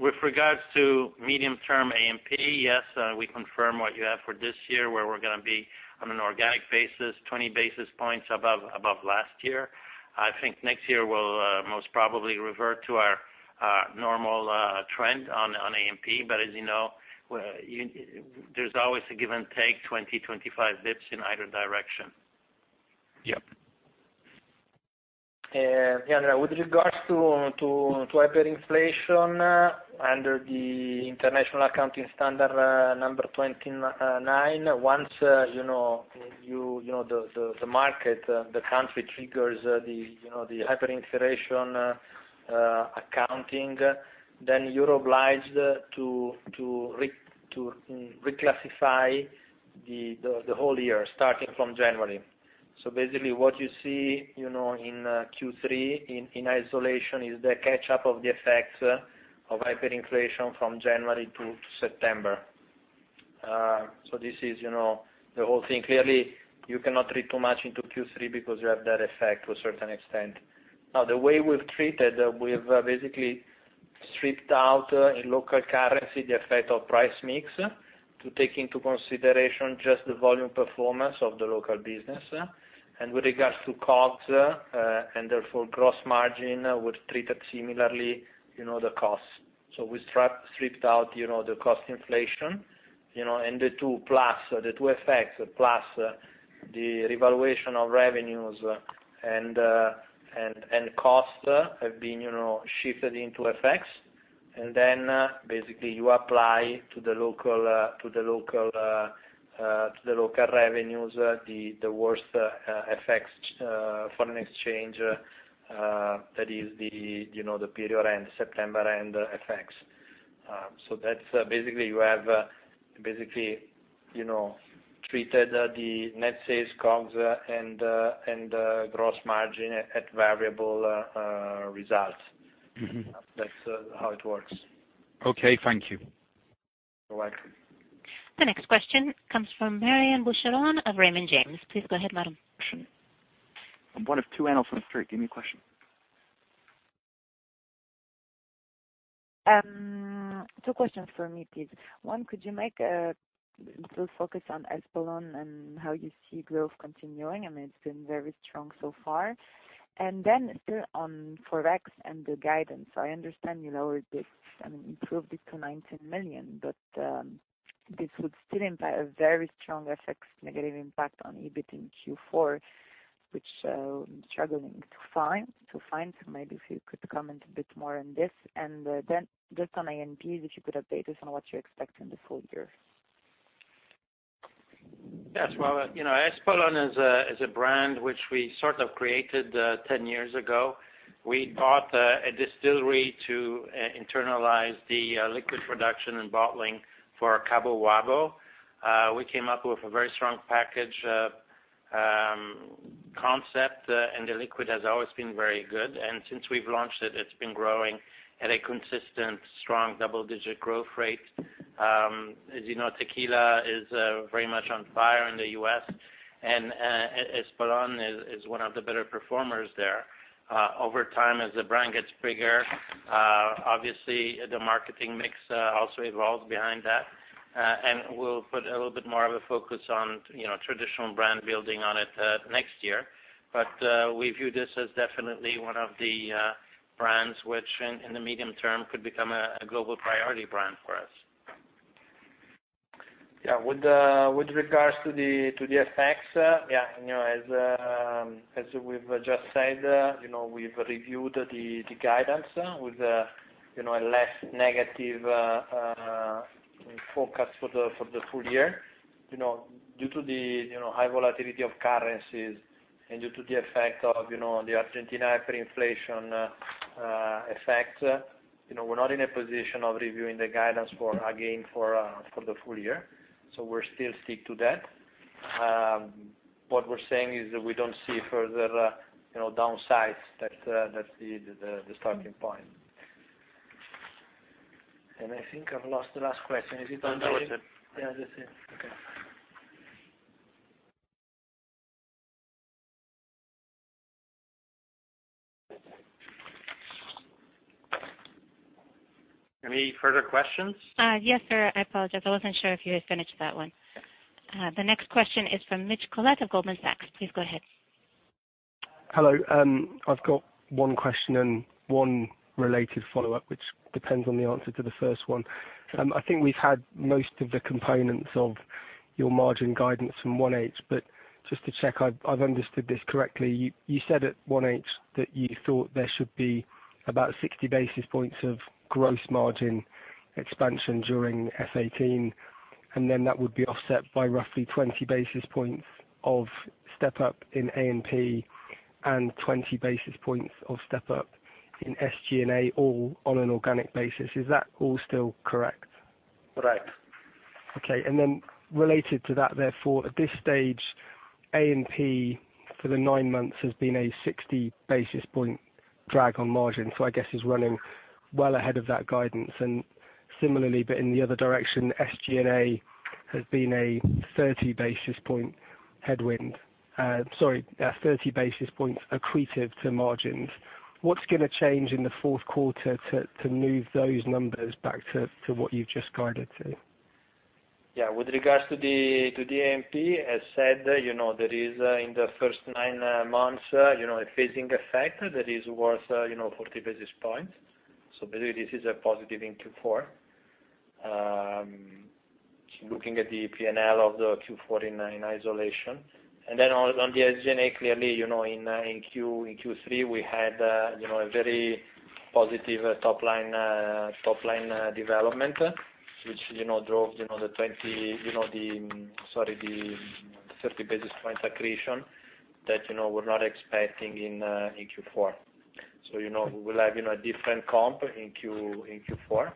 With regards to medium term AMP, yes, we confirm what you have for this year, where we're going to be on an organic basis, 20 basis points above last year. I think next year we'll most probably revert to our normal trend on AMP. As you know, there's always a give and take 20, 25 basis points in either direction. Yep. Yeah. With regards to hyperinflation under the International Accounting Standard 29, once the country triggers the hyperinflation accounting, you're obliged to reclassify the whole year starting from January. Basically, what you see in Q3 in isolation is the catch up of the effects of hyperinflation from January to September. So this is the whole thing. Clearly, you cannot read too much into Q3 because you have that effect to a certain extent. The way we've treated, we've basically stripped out in local currency, the effect of price mix to take into consideration just the volume performance of the local business. With regards to COGS, and therefore, gross margin, we've treated similarly the costs. We stripped out the cost inflation, and the two effects plus the revaluation of revenues and cost have been shifted into FX. Basically you apply to the local revenues, the worst FX foreign exchange, that is the period and September and FX. That's basically you have treated the net sales COGS and gross margin at variable results. That's how it works. Okay, thank you. You're welcome. The next question comes from Marion Cohet-Boucheron of Raymond James. Please go ahead, madam. One of two analysts from the street, any question. Two questions for me, please. One, could you make a little focus on Espolòn and how you see growth continuing? I mean, it's been very strong so far. Still on FX and the guidance. I understand you lowered this and improved it to 19 million, but this would still imply a very strong FX negative impact on EBIT in Q4, which I'm struggling to find. Maybe if you could comment a bit more on this, just on A&P, if you could update us on what you expect in the full year. Yes. Well, Espolòn is a brand which we sort of created 10 years ago. We bought a distillery to internalize the liquid production and bottling for Cabo Wabo. We came up with a very strong package concept, and the liquid has always been very good. Since we've launched it's been growing at a consistent, strong double-digit growth rate. As you know, tequila is very much on fire in the U.S., and Espolòn is one of the better performers there. Over time, as the brand gets bigger, obviously the marketing mix also evolves behind that. We'll put a little bit more of a focus on traditional brand building on it next year. We view this as definitely one of the brands which in the medium term could become a global priority brand for us. Yeah. With regards to the FX, as we've just said, we've reviewed the guidance with a less negative forecast for the full year. Due to the high volatility of currencies and due to the effect of the Argentina hyperinflation effect, we're not in a position of reviewing the guidance again for the full year. We still stick to that. What we're saying is that we don't see further downsides, that's the starting point. I think I've lost the last question. Is it on. That was it. Yeah, that's it. Okay. Any further questions? Yes, sir. I apologize. I wasn't sure if you had finished that one. The next question is from Mitch Collett of Goldman Sachs. Please go ahead. Hello. I've got one question and one related follow-up, which depends on the answer to the first one. I think we've had most of the components of your margin guidance from 1H, but just to check I've understood this correctly, you said at 1H that you thought there should be about 60 basis points of gross margin expansion during FY 2018, then that would be offset by roughly 20 basis points of step-up in A&P and 20 basis points of step-up in SG&A, all on an organic basis. Is that all still correct? Correct. Okay. Related to that, therefore, at this stage, A&P for the nine months has been a 60 basis point drag on margin, I guess is running well ahead of that guidance. Similarly, but in the other direction, SG&A has been a 30 basis point headwind. Sorry, 30 basis points accretive to margins. What's going to change in the fourth quarter to move those numbers back to what you've just guided to? Yeah. With regards to the A&P, as said, there is in the first nine months, a phasing effect that is worth 40 basis points. Basically, this is a positive in Q4. Looking at the P&L of the Q4 in isolation. On the SG&A, clearly, in Q3, we had a very positive top-line development, which drove the 30 basis point accretion that we're not expecting in Q4. We will have a different comp in Q4.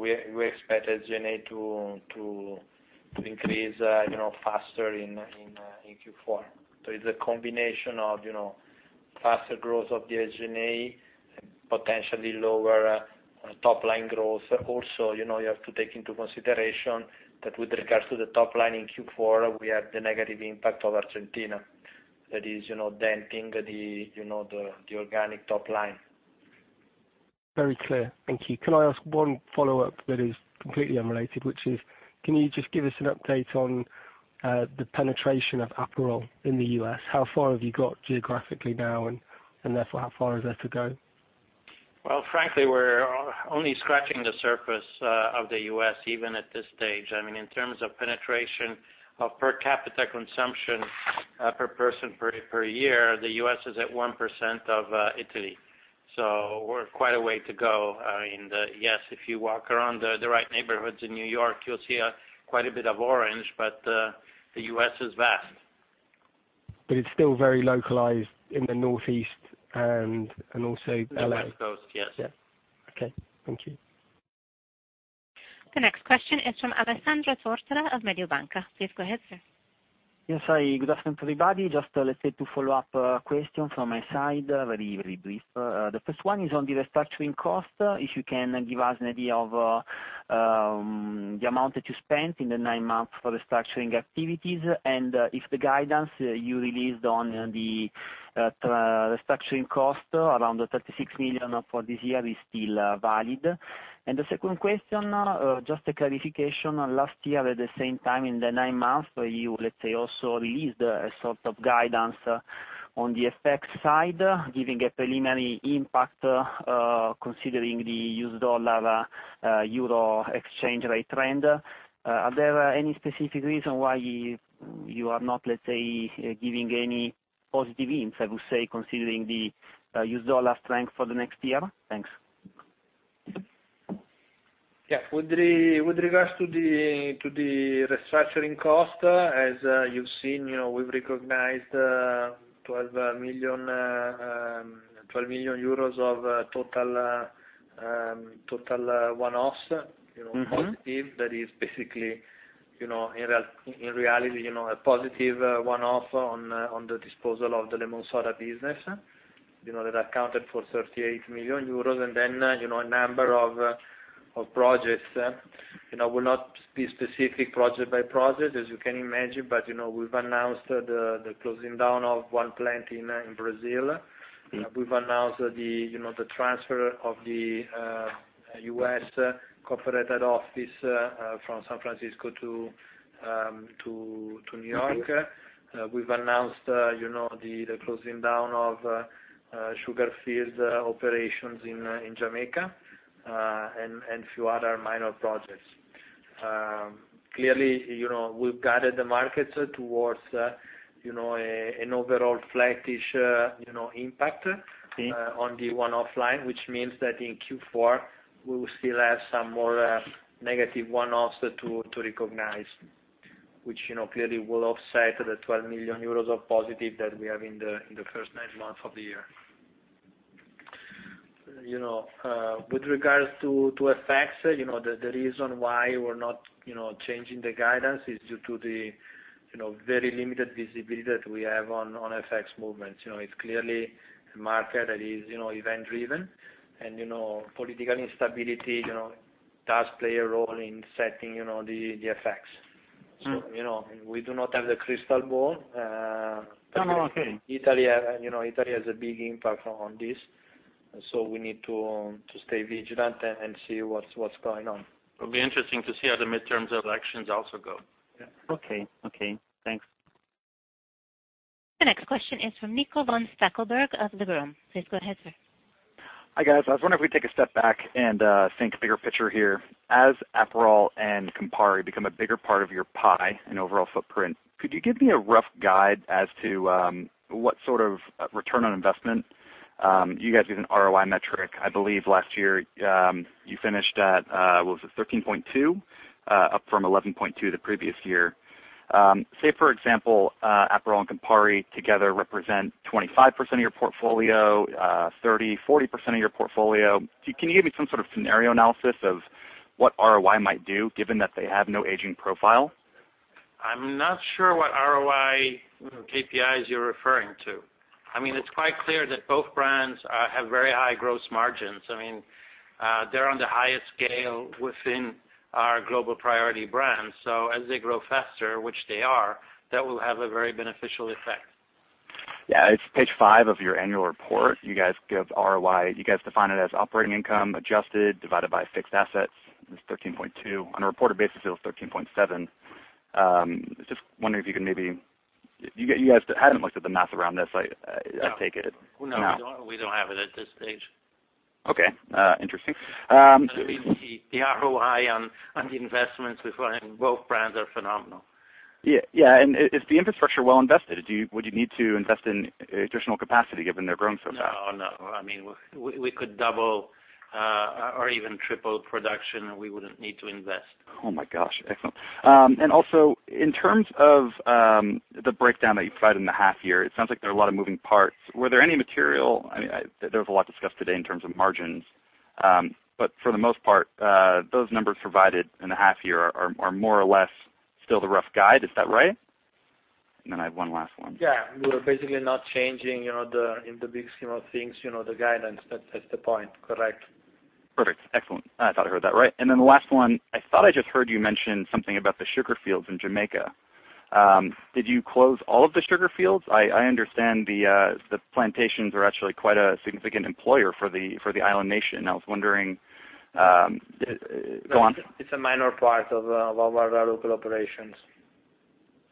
We expect SG&A to increase faster in Q4. It's a combination of faster growth of the SG&A, potentially lower top-line growth. Also, you have to take into consideration that with regards to the top line in Q4, we had the negative impact of Argentina. That is denting the organic top line. Very clear. Thank you. Can I ask one follow-up that is completely unrelated, which is, can you just give us an update on the penetration of Aperol in the U.S.? How far have you got geographically now, and therefore, how far is there to go? Well, frankly, we're only scratching the surface of the U.S. even at this stage. In terms of penetration of per capita consumption per person per year, the U.S. is at 1% of Italy. We're quite a way to go. Yes, if you walk around the right neighborhoods in New York, you'll see quite a bit of orange, the U.S. is vast. It's still very localized in the Northeast and also L.A. The West Coast, yes. Yeah. Okay. Thank you. The next question is from Alessandro Tortora of Mediobanca. Please go ahead, sir. Yes. Good afternoon, everybody. Just two follow-up questions from my side. Very brief. The first one is on the restructuring cost. If you can give us an idea of the amount that you spent in the nine months for restructuring activities, and if the guidance you released on the restructuring cost around the 36 million for this year is still valid. The second question, just a clarification. Last year, at the same time, in the nine months, you also released a sort of guidance on the FX side, giving a preliminary impact, considering the US dollar-euro exchange rate trend. Are there any specific reason why you are not giving any positive hints, I would say, considering the US dollar strength for the next year? Thanks. Yeah. With regards to the restructuring cost, as you've seen, we've recognized 12 million of total one-offs, positive. That is basically, in reality, a positive one-off on the disposal of the LemonSoda business that accounted for 38 million euros. Then, a number of projects. We'll not be specific project by project, as you can imagine, but we've announced the closing down of one plant in Brazil. We've announced the transfer of the U.S. corporate office from San Francisco to New York. We've announced the closing down of sugar field operations in Jamaica, and few other minor projects. Clearly, we've guided the markets towards an overall flattish impact on the one-off line, which means that in Q4, we will still have some more negative one-offs to recognize, which clearly will offset the 12 million euros of positive that we have in the first nine months of the year. With regards to FX, the reason why we're not changing the guidance is due to the very limited visibility that we have on FX movements. It's clearly a market that is event driven. Political instability does play a role in setting the FX. We do not have the crystal ball. No, okay. Italy has a big impact on this. We need to stay vigilant and see what's going on. It'll be interesting to see how the midterm elections also go. Yeah. Okay. Thanks. The next question is from Nico von Stackelberg of Liberum. Please go ahead, sir. Hi, guys. I was wondering if we take a step back and think bigger picture here. As Aperol and Campari become a bigger part of your pie and overall footprint, could you give me a rough guide as to what sort of return on investment? You guys give an ROI metric. I believe last year, you finished at, was it 13.2? Up from 11.2 the previous year. Say, for example, Aperol and Campari together represent 25% of your portfolio, 30%, 40% of your portfolio. Can you give me some sort of scenario analysis of what ROI might do, given that they have no aging profile? I'm not sure what ROI KPIs you're referring to. It's quite clear that both brands have very high gross margins. They're on the highest scale within our global priority brands. As they grow faster, which they are, that will have a very beneficial effect. Yeah. It's page five of your annual report. You guys give ROI. You guys define it as operating income adjusted, divided by fixed assets, is 13.2. On a reported basis, it was 13.7. Just wondering if you could maybe You guys haven't looked at the math around this, I take it? No. No, we don't have it at this stage. Okay. Interesting. The ROI on the investments we find in both brands are phenomenal. Yeah. Is the infrastructure well invested? Would you need to invest in additional capacity given they're growing so fast? No. We could double or even triple production, we wouldn't need to invest. Oh my gosh. Excellent. Also, in terms of the breakdown that you provided in the half year, it sounds like there are a lot of moving parts. Were there any material, there was a lot discussed today in terms of margins. For the most part, those numbers provided in the half year are more or less Still the rough guide. Is that right? Then I have one last one. Yeah. We're basically not changing in the big scheme of things, the guidance. That's the point. Correct. Perfect. Excellent. I thought I heard that right. The last one, I thought I just heard you mention something about the sugar fields in Jamaica. Did you close all of the sugar fields? I understand the plantations are actually quite a significant employer for the island nation. I was wondering, go on. It's a minor part of our local operations.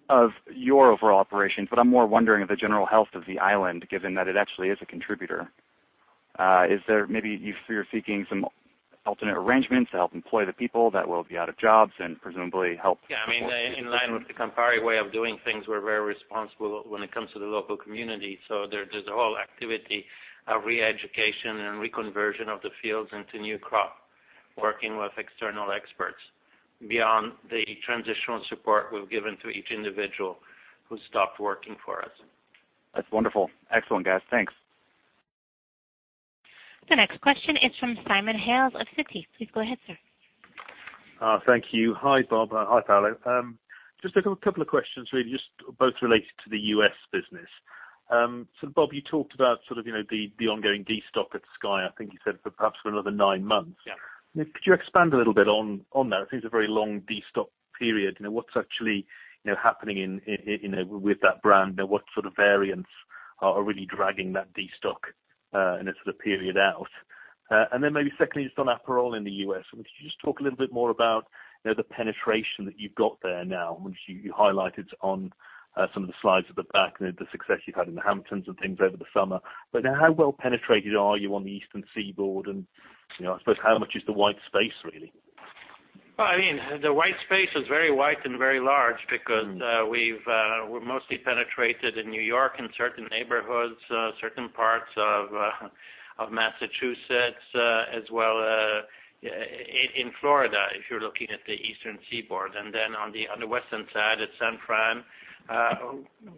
Of your overall operations, I'm more wondering of the general health of the island, given that it actually is a contributor. Maybe you're seeking some alternate arrangements to help employ the people that will be out of jobs and presumably help support. Yeah, in line with the Campari way of doing things, we're very responsible when it comes to the local community. There's a whole activity of re-education and reconversion of the fields into new crop, working with external experts, beyond the transitional support we've given to each individual who stopped working for us. That's wonderful. Excellent, guys. Thanks. The next question is from Simon Hales of Citi. Please go ahead, sir. Thank you. Hi, Bob. Hi, Paolo. Just a couple of questions, really, just both related to the U.S. business. Bob, you talked about the ongoing destock at SKYY, I think you said perhaps for another nine months. Yeah. Could you expand a little bit on that? It seems a very long destock period. What's actually happening with that brand, and what sort of variants are really dragging that destock, and the period out? Then maybe secondly, just on Aperol in the U.S., could you just talk a little bit more about the penetration that you've got there now, which you highlighted on some of the slides at the back, the success you've had in the Hamptons and things over the summer. But now how well penetrated are you on the eastern seaboard and, I suppose how much is the white space really? The white space is very white and very large because we're mostly penetrated in New York, in certain neighborhoods, certain parts of Massachusetts, as well in Florida, if you're looking at the eastern seaboard, and then on the western side, it's San Fran,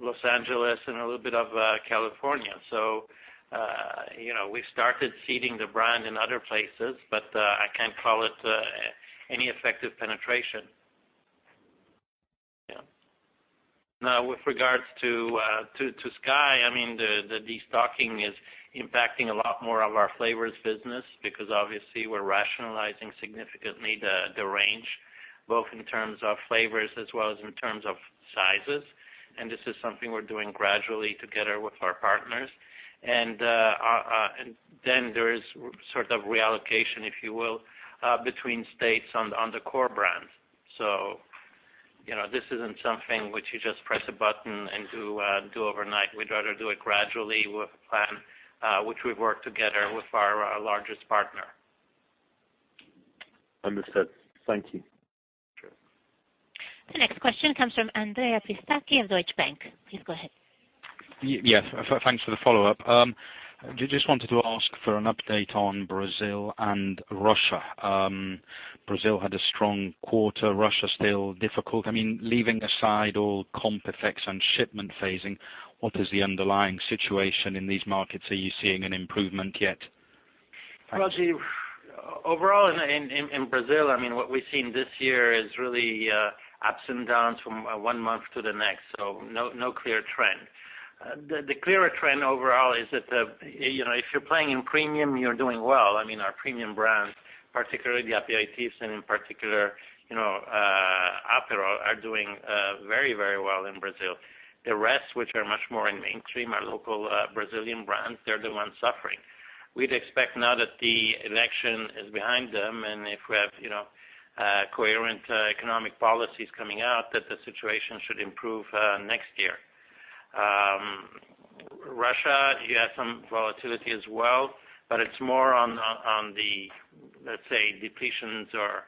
Los Angeles, and a little bit of California. We started seeding the brand in other places, but I can't call it any effective penetration. Yeah. Now, with regards to SKYY, the destocking is impacting a lot more of our flavors business because obviously we're rationalizing significantly the range, both in terms of flavors as well as in terms of sizes. This is something we're doing gradually together with our partners. Then there is sort of reallocation, if you will, between states on the core brands. This isn't something which you just press a button and do overnight. We'd rather do it gradually with a plan, which we've worked together with our largest partner. Understood. Thank you. Sure. The next question comes from Andrea Pistacchi of Deutsche Bank. Please go ahead. Yes. Thanks for the follow-up. Just wanted to ask for an update on Brazil and Russia. Brazil had a strong quarter. Russia, still difficult. Leaving aside all comp effects and shipment phasing, what is the underlying situation in these markets? Are you seeing an improvement yet? Well, overall in Brazil, what we've seen this year is really ups and downs from one month to the next. No clear trend. The clearer trend overall is that if you're playing in premium, you're doing well. Our premium brands, particularly the aperitifs, and in particular Aperol, are doing very well in Brazil. The rest, which are much more in mainstream, our local Brazilian brands, they're the ones suffering. We'd expect now that the election is behind them, and if we have coherent economic policies coming out, that the situation should improve next year. Russia, you have some volatility as well, but it's more on the, let's say, depletions or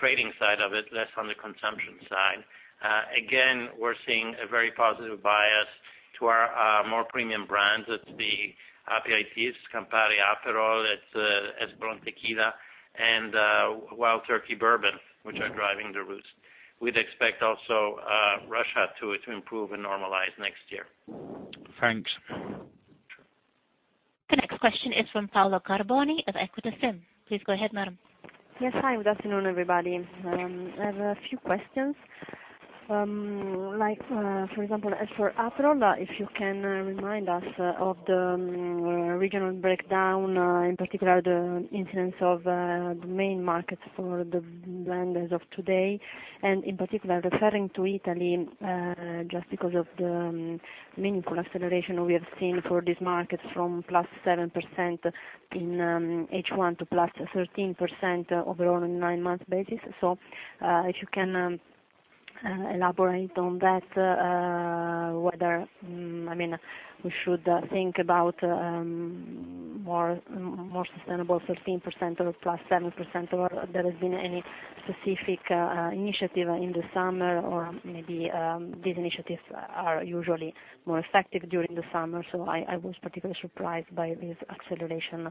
trading side of it, less on the consumption side. Again, we're seeing a very positive bias to our more premium brands. It's the aperitifs, Campari, Aperol, it's Espolòn Tequila, and Wild Turkey Bourbon, which are driving the routes. We'd expect also Russia to improve and normalize next year. Thanks. Sure. The next question is from Paola Carboni of Equita SIM. Please go ahead, madam. Yes. Hi. Good afternoon, everybody. I have a few questions. For example, as for Aperol, if you can remind us of the regional breakdown, in particular the incidence of the main markets for the brand as of today, and in particular, referring to Italy, just because of the meaningful acceleration we have seen for this market from +7% in H1 to +13% overall on a nine-month basis. If you can elaborate on that, whether we should think about more sustainable 15% or +7%, or there has been any specific initiative in the summer, or maybe these initiatives are usually more effective during the summer. I was particularly surprised by this acceleration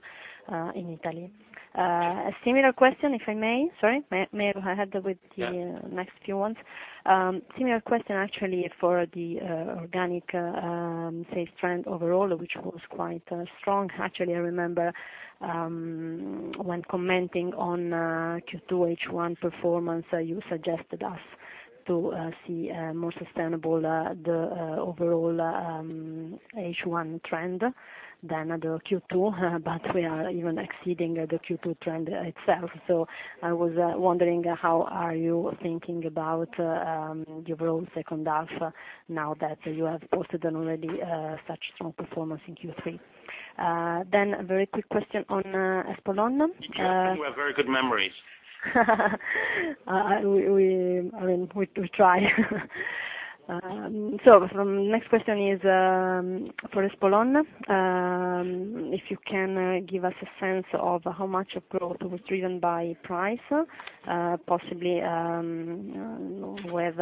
in Italy. A similar question, if I may. Sorry. May I head with the next few ones? Yeah. Similar question actually for the organic sales trend overall, which was quite strong. Actually, I remember when commenting on Q2 H1 performance, you suggested us to see more sustainable the overall H1 trend than the Q2, but we are even exceeding the Q2 trend itself. I was wondering, how are you thinking about your overall second half now that you have posted an already such strong performance in Q3? A very quick question on Espolòn. You have very good memories. We try. Next question is for Espolòn. If you can give us a sense of how much of growth was driven by price, possibly with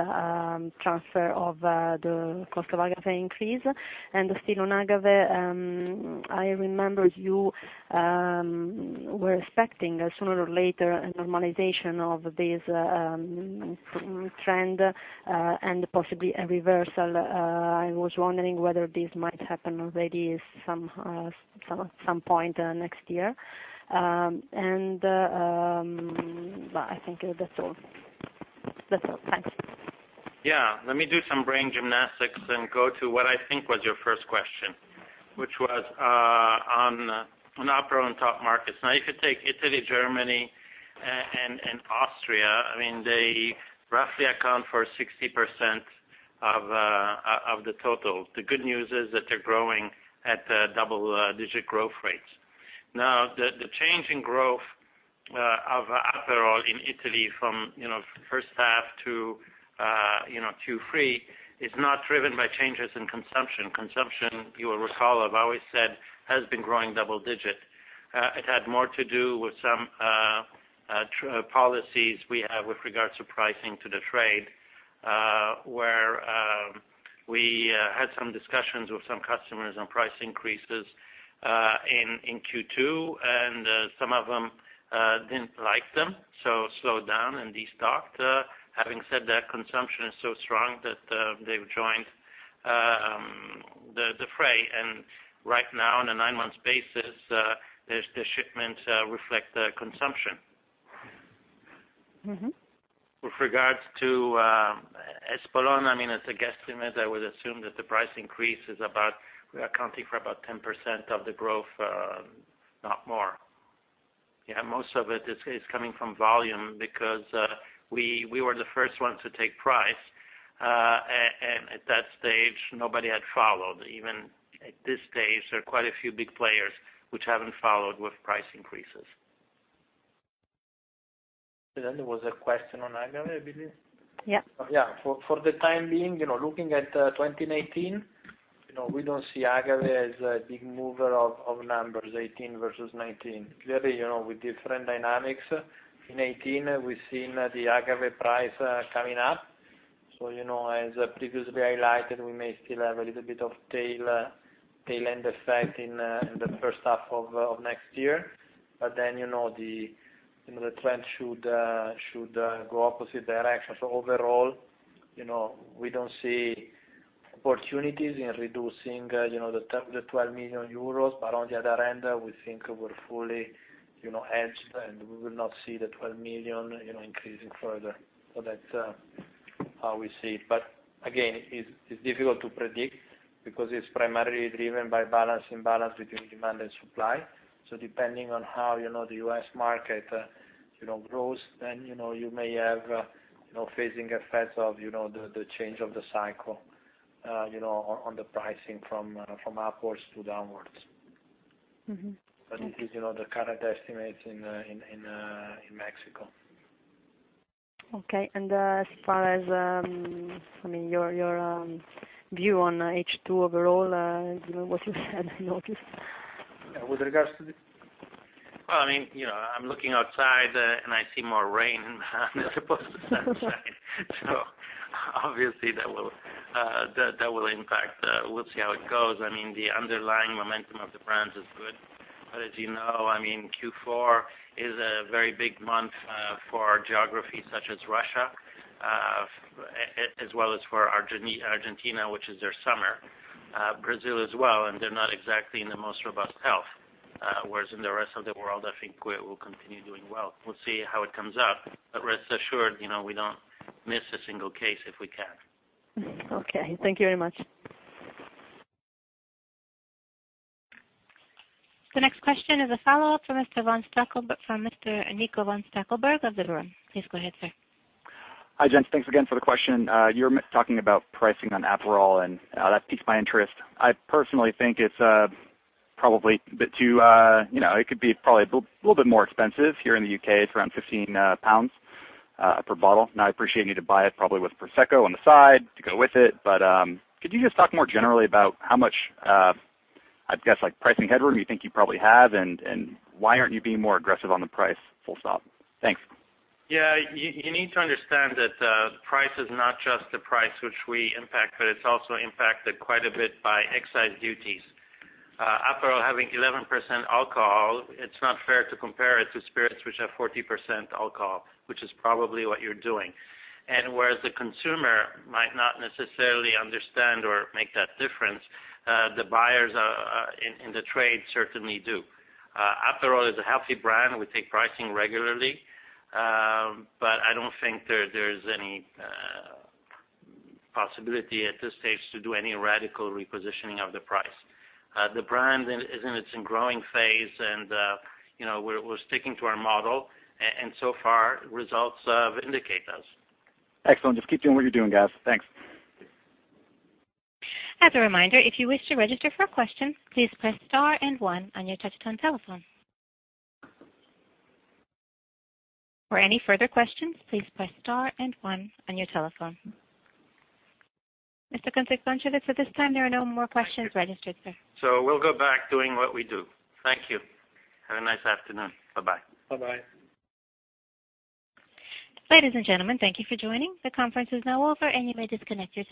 transfer of the cost of agave increase, and still on agave, I remember you were expecting sooner or later a normalization of this trend and possibly a reversal. I was wondering whether this might happen already at some point next year. I think that's all. Thanks. Yeah. Let me do some brain gymnastics and go to what I think was your first question, which was on Aperol and top markets. If you take Italy, Germany, and Austria, they roughly account for 60% of the total. The good news is that they're growing at double-digit growth rates. The change in growth of Aperol in Italy from first half to Q3 is not driven by changes in consumption. Consumption, you will recall, I've always said, has been growing double-digit. It had more to do with some policies we have with regards to pricing to the trade, where we had some discussions with some customers on price increases in Q2, and some of them didn't like them, so slowed down and de-stocked. Having said that, consumption is so strong that they've joined the fray, and right now, on a nine-month basis, the shipments reflect the consumption. With regards to Espolòn, as a guesstimate, I would assume that the price increase is accounting for about 10% of the growth, not more. Most of it is coming from volume because we were the first ones to take price. At that stage, nobody had followed. Even at this stage, there are quite a few big players which haven't followed with price increases. Then there was a question on agave, I believe. Yeah. Yeah. For the time being, looking at 2019, we don't see agave as a big mover of numbers 2018 versus 2019. Clearly, with different dynamics in 2018, we've seen the agave price coming up. As previously highlighted, we may still have a little bit of tail-end effect in the first half of next year. The trend should go opposite direction. Overall, we don't see opportunities in reducing the 12 million euros, on the other end, we think we're fully edged, and we will not see the 12 million increasing further. That's how we see it. Again, it's difficult to predict because it's primarily driven by balance, imbalance between demand and supply. Depending on how the U.S. market grows, then you may have phasing effects of the change of the cycle on the pricing from upwards to downwards. Mm-hmm. Okay. It is the current estimate in Mexico. Okay, as far as your view on H2 overall, what you said, I noticed. With regards to the I'm looking outside, I see more rain as opposed to sunshine. Obviously that will impact. We'll see how it goes. The underlying momentum of the brands is good. As you know, Q4 is a very big month for geographies such as Russia, as well as for Argentina, which is their summer, Brazil as well, and they're not exactly in the most robust health. Whereas in the rest of the world, I think we will continue doing well. We'll see how it comes up, but rest assured, we don't miss a single case if we can. Okay. Thank you very much. The next question is a follow-up for Mr. Nico von Stackelberg from Mr. Nico von Stackelberg of Liberum. Please go ahead, sir. Hi, gents. Thanks again for the question. You're talking about pricing on Aperol, that piques my interest. I personally think it could be probably a little bit more expensive. Here in the U.K., it's around 15 pounds per bottle. I appreciate you need to buy it probably with Prosecco on the side to go with it. Could you just talk more generally about how much, I'd guess, pricing headroom you think you probably have, and why aren't you being more aggressive on the price full stop? Thanks. You need to understand that price is not just the price which we impact, but it's also impacted quite a bit by excise duties. Aperol having 11% alcohol, it's not fair to compare it to spirits which have 40% alcohol, which is probably what you're doing. Whereas the consumer might not necessarily understand or make that difference, the buyers in the trade certainly do. Aperol is a healthy brand, and we take pricing regularly, but I don't think there's any possibility at this stage to do any radical repositioning of the price. The brand is in its growing phase, and we're sticking to our model, and so far, results indicate those. Excellent. Just keep doing what you're doing, guys. Thanks. As a reminder, if you wish to register for a question, please press star and one on your touch-tone telephone. For any further questions, please press star and one on your telephone. Mr. Concewitz, so at this time, there are no more questions registered, sir. We'll go back doing what we do. Thank you. Have a nice afternoon. Bye-bye. Bye-bye. Ladies and gentlemen, thank you for joining. The conference is now over, and you may disconnect your phones.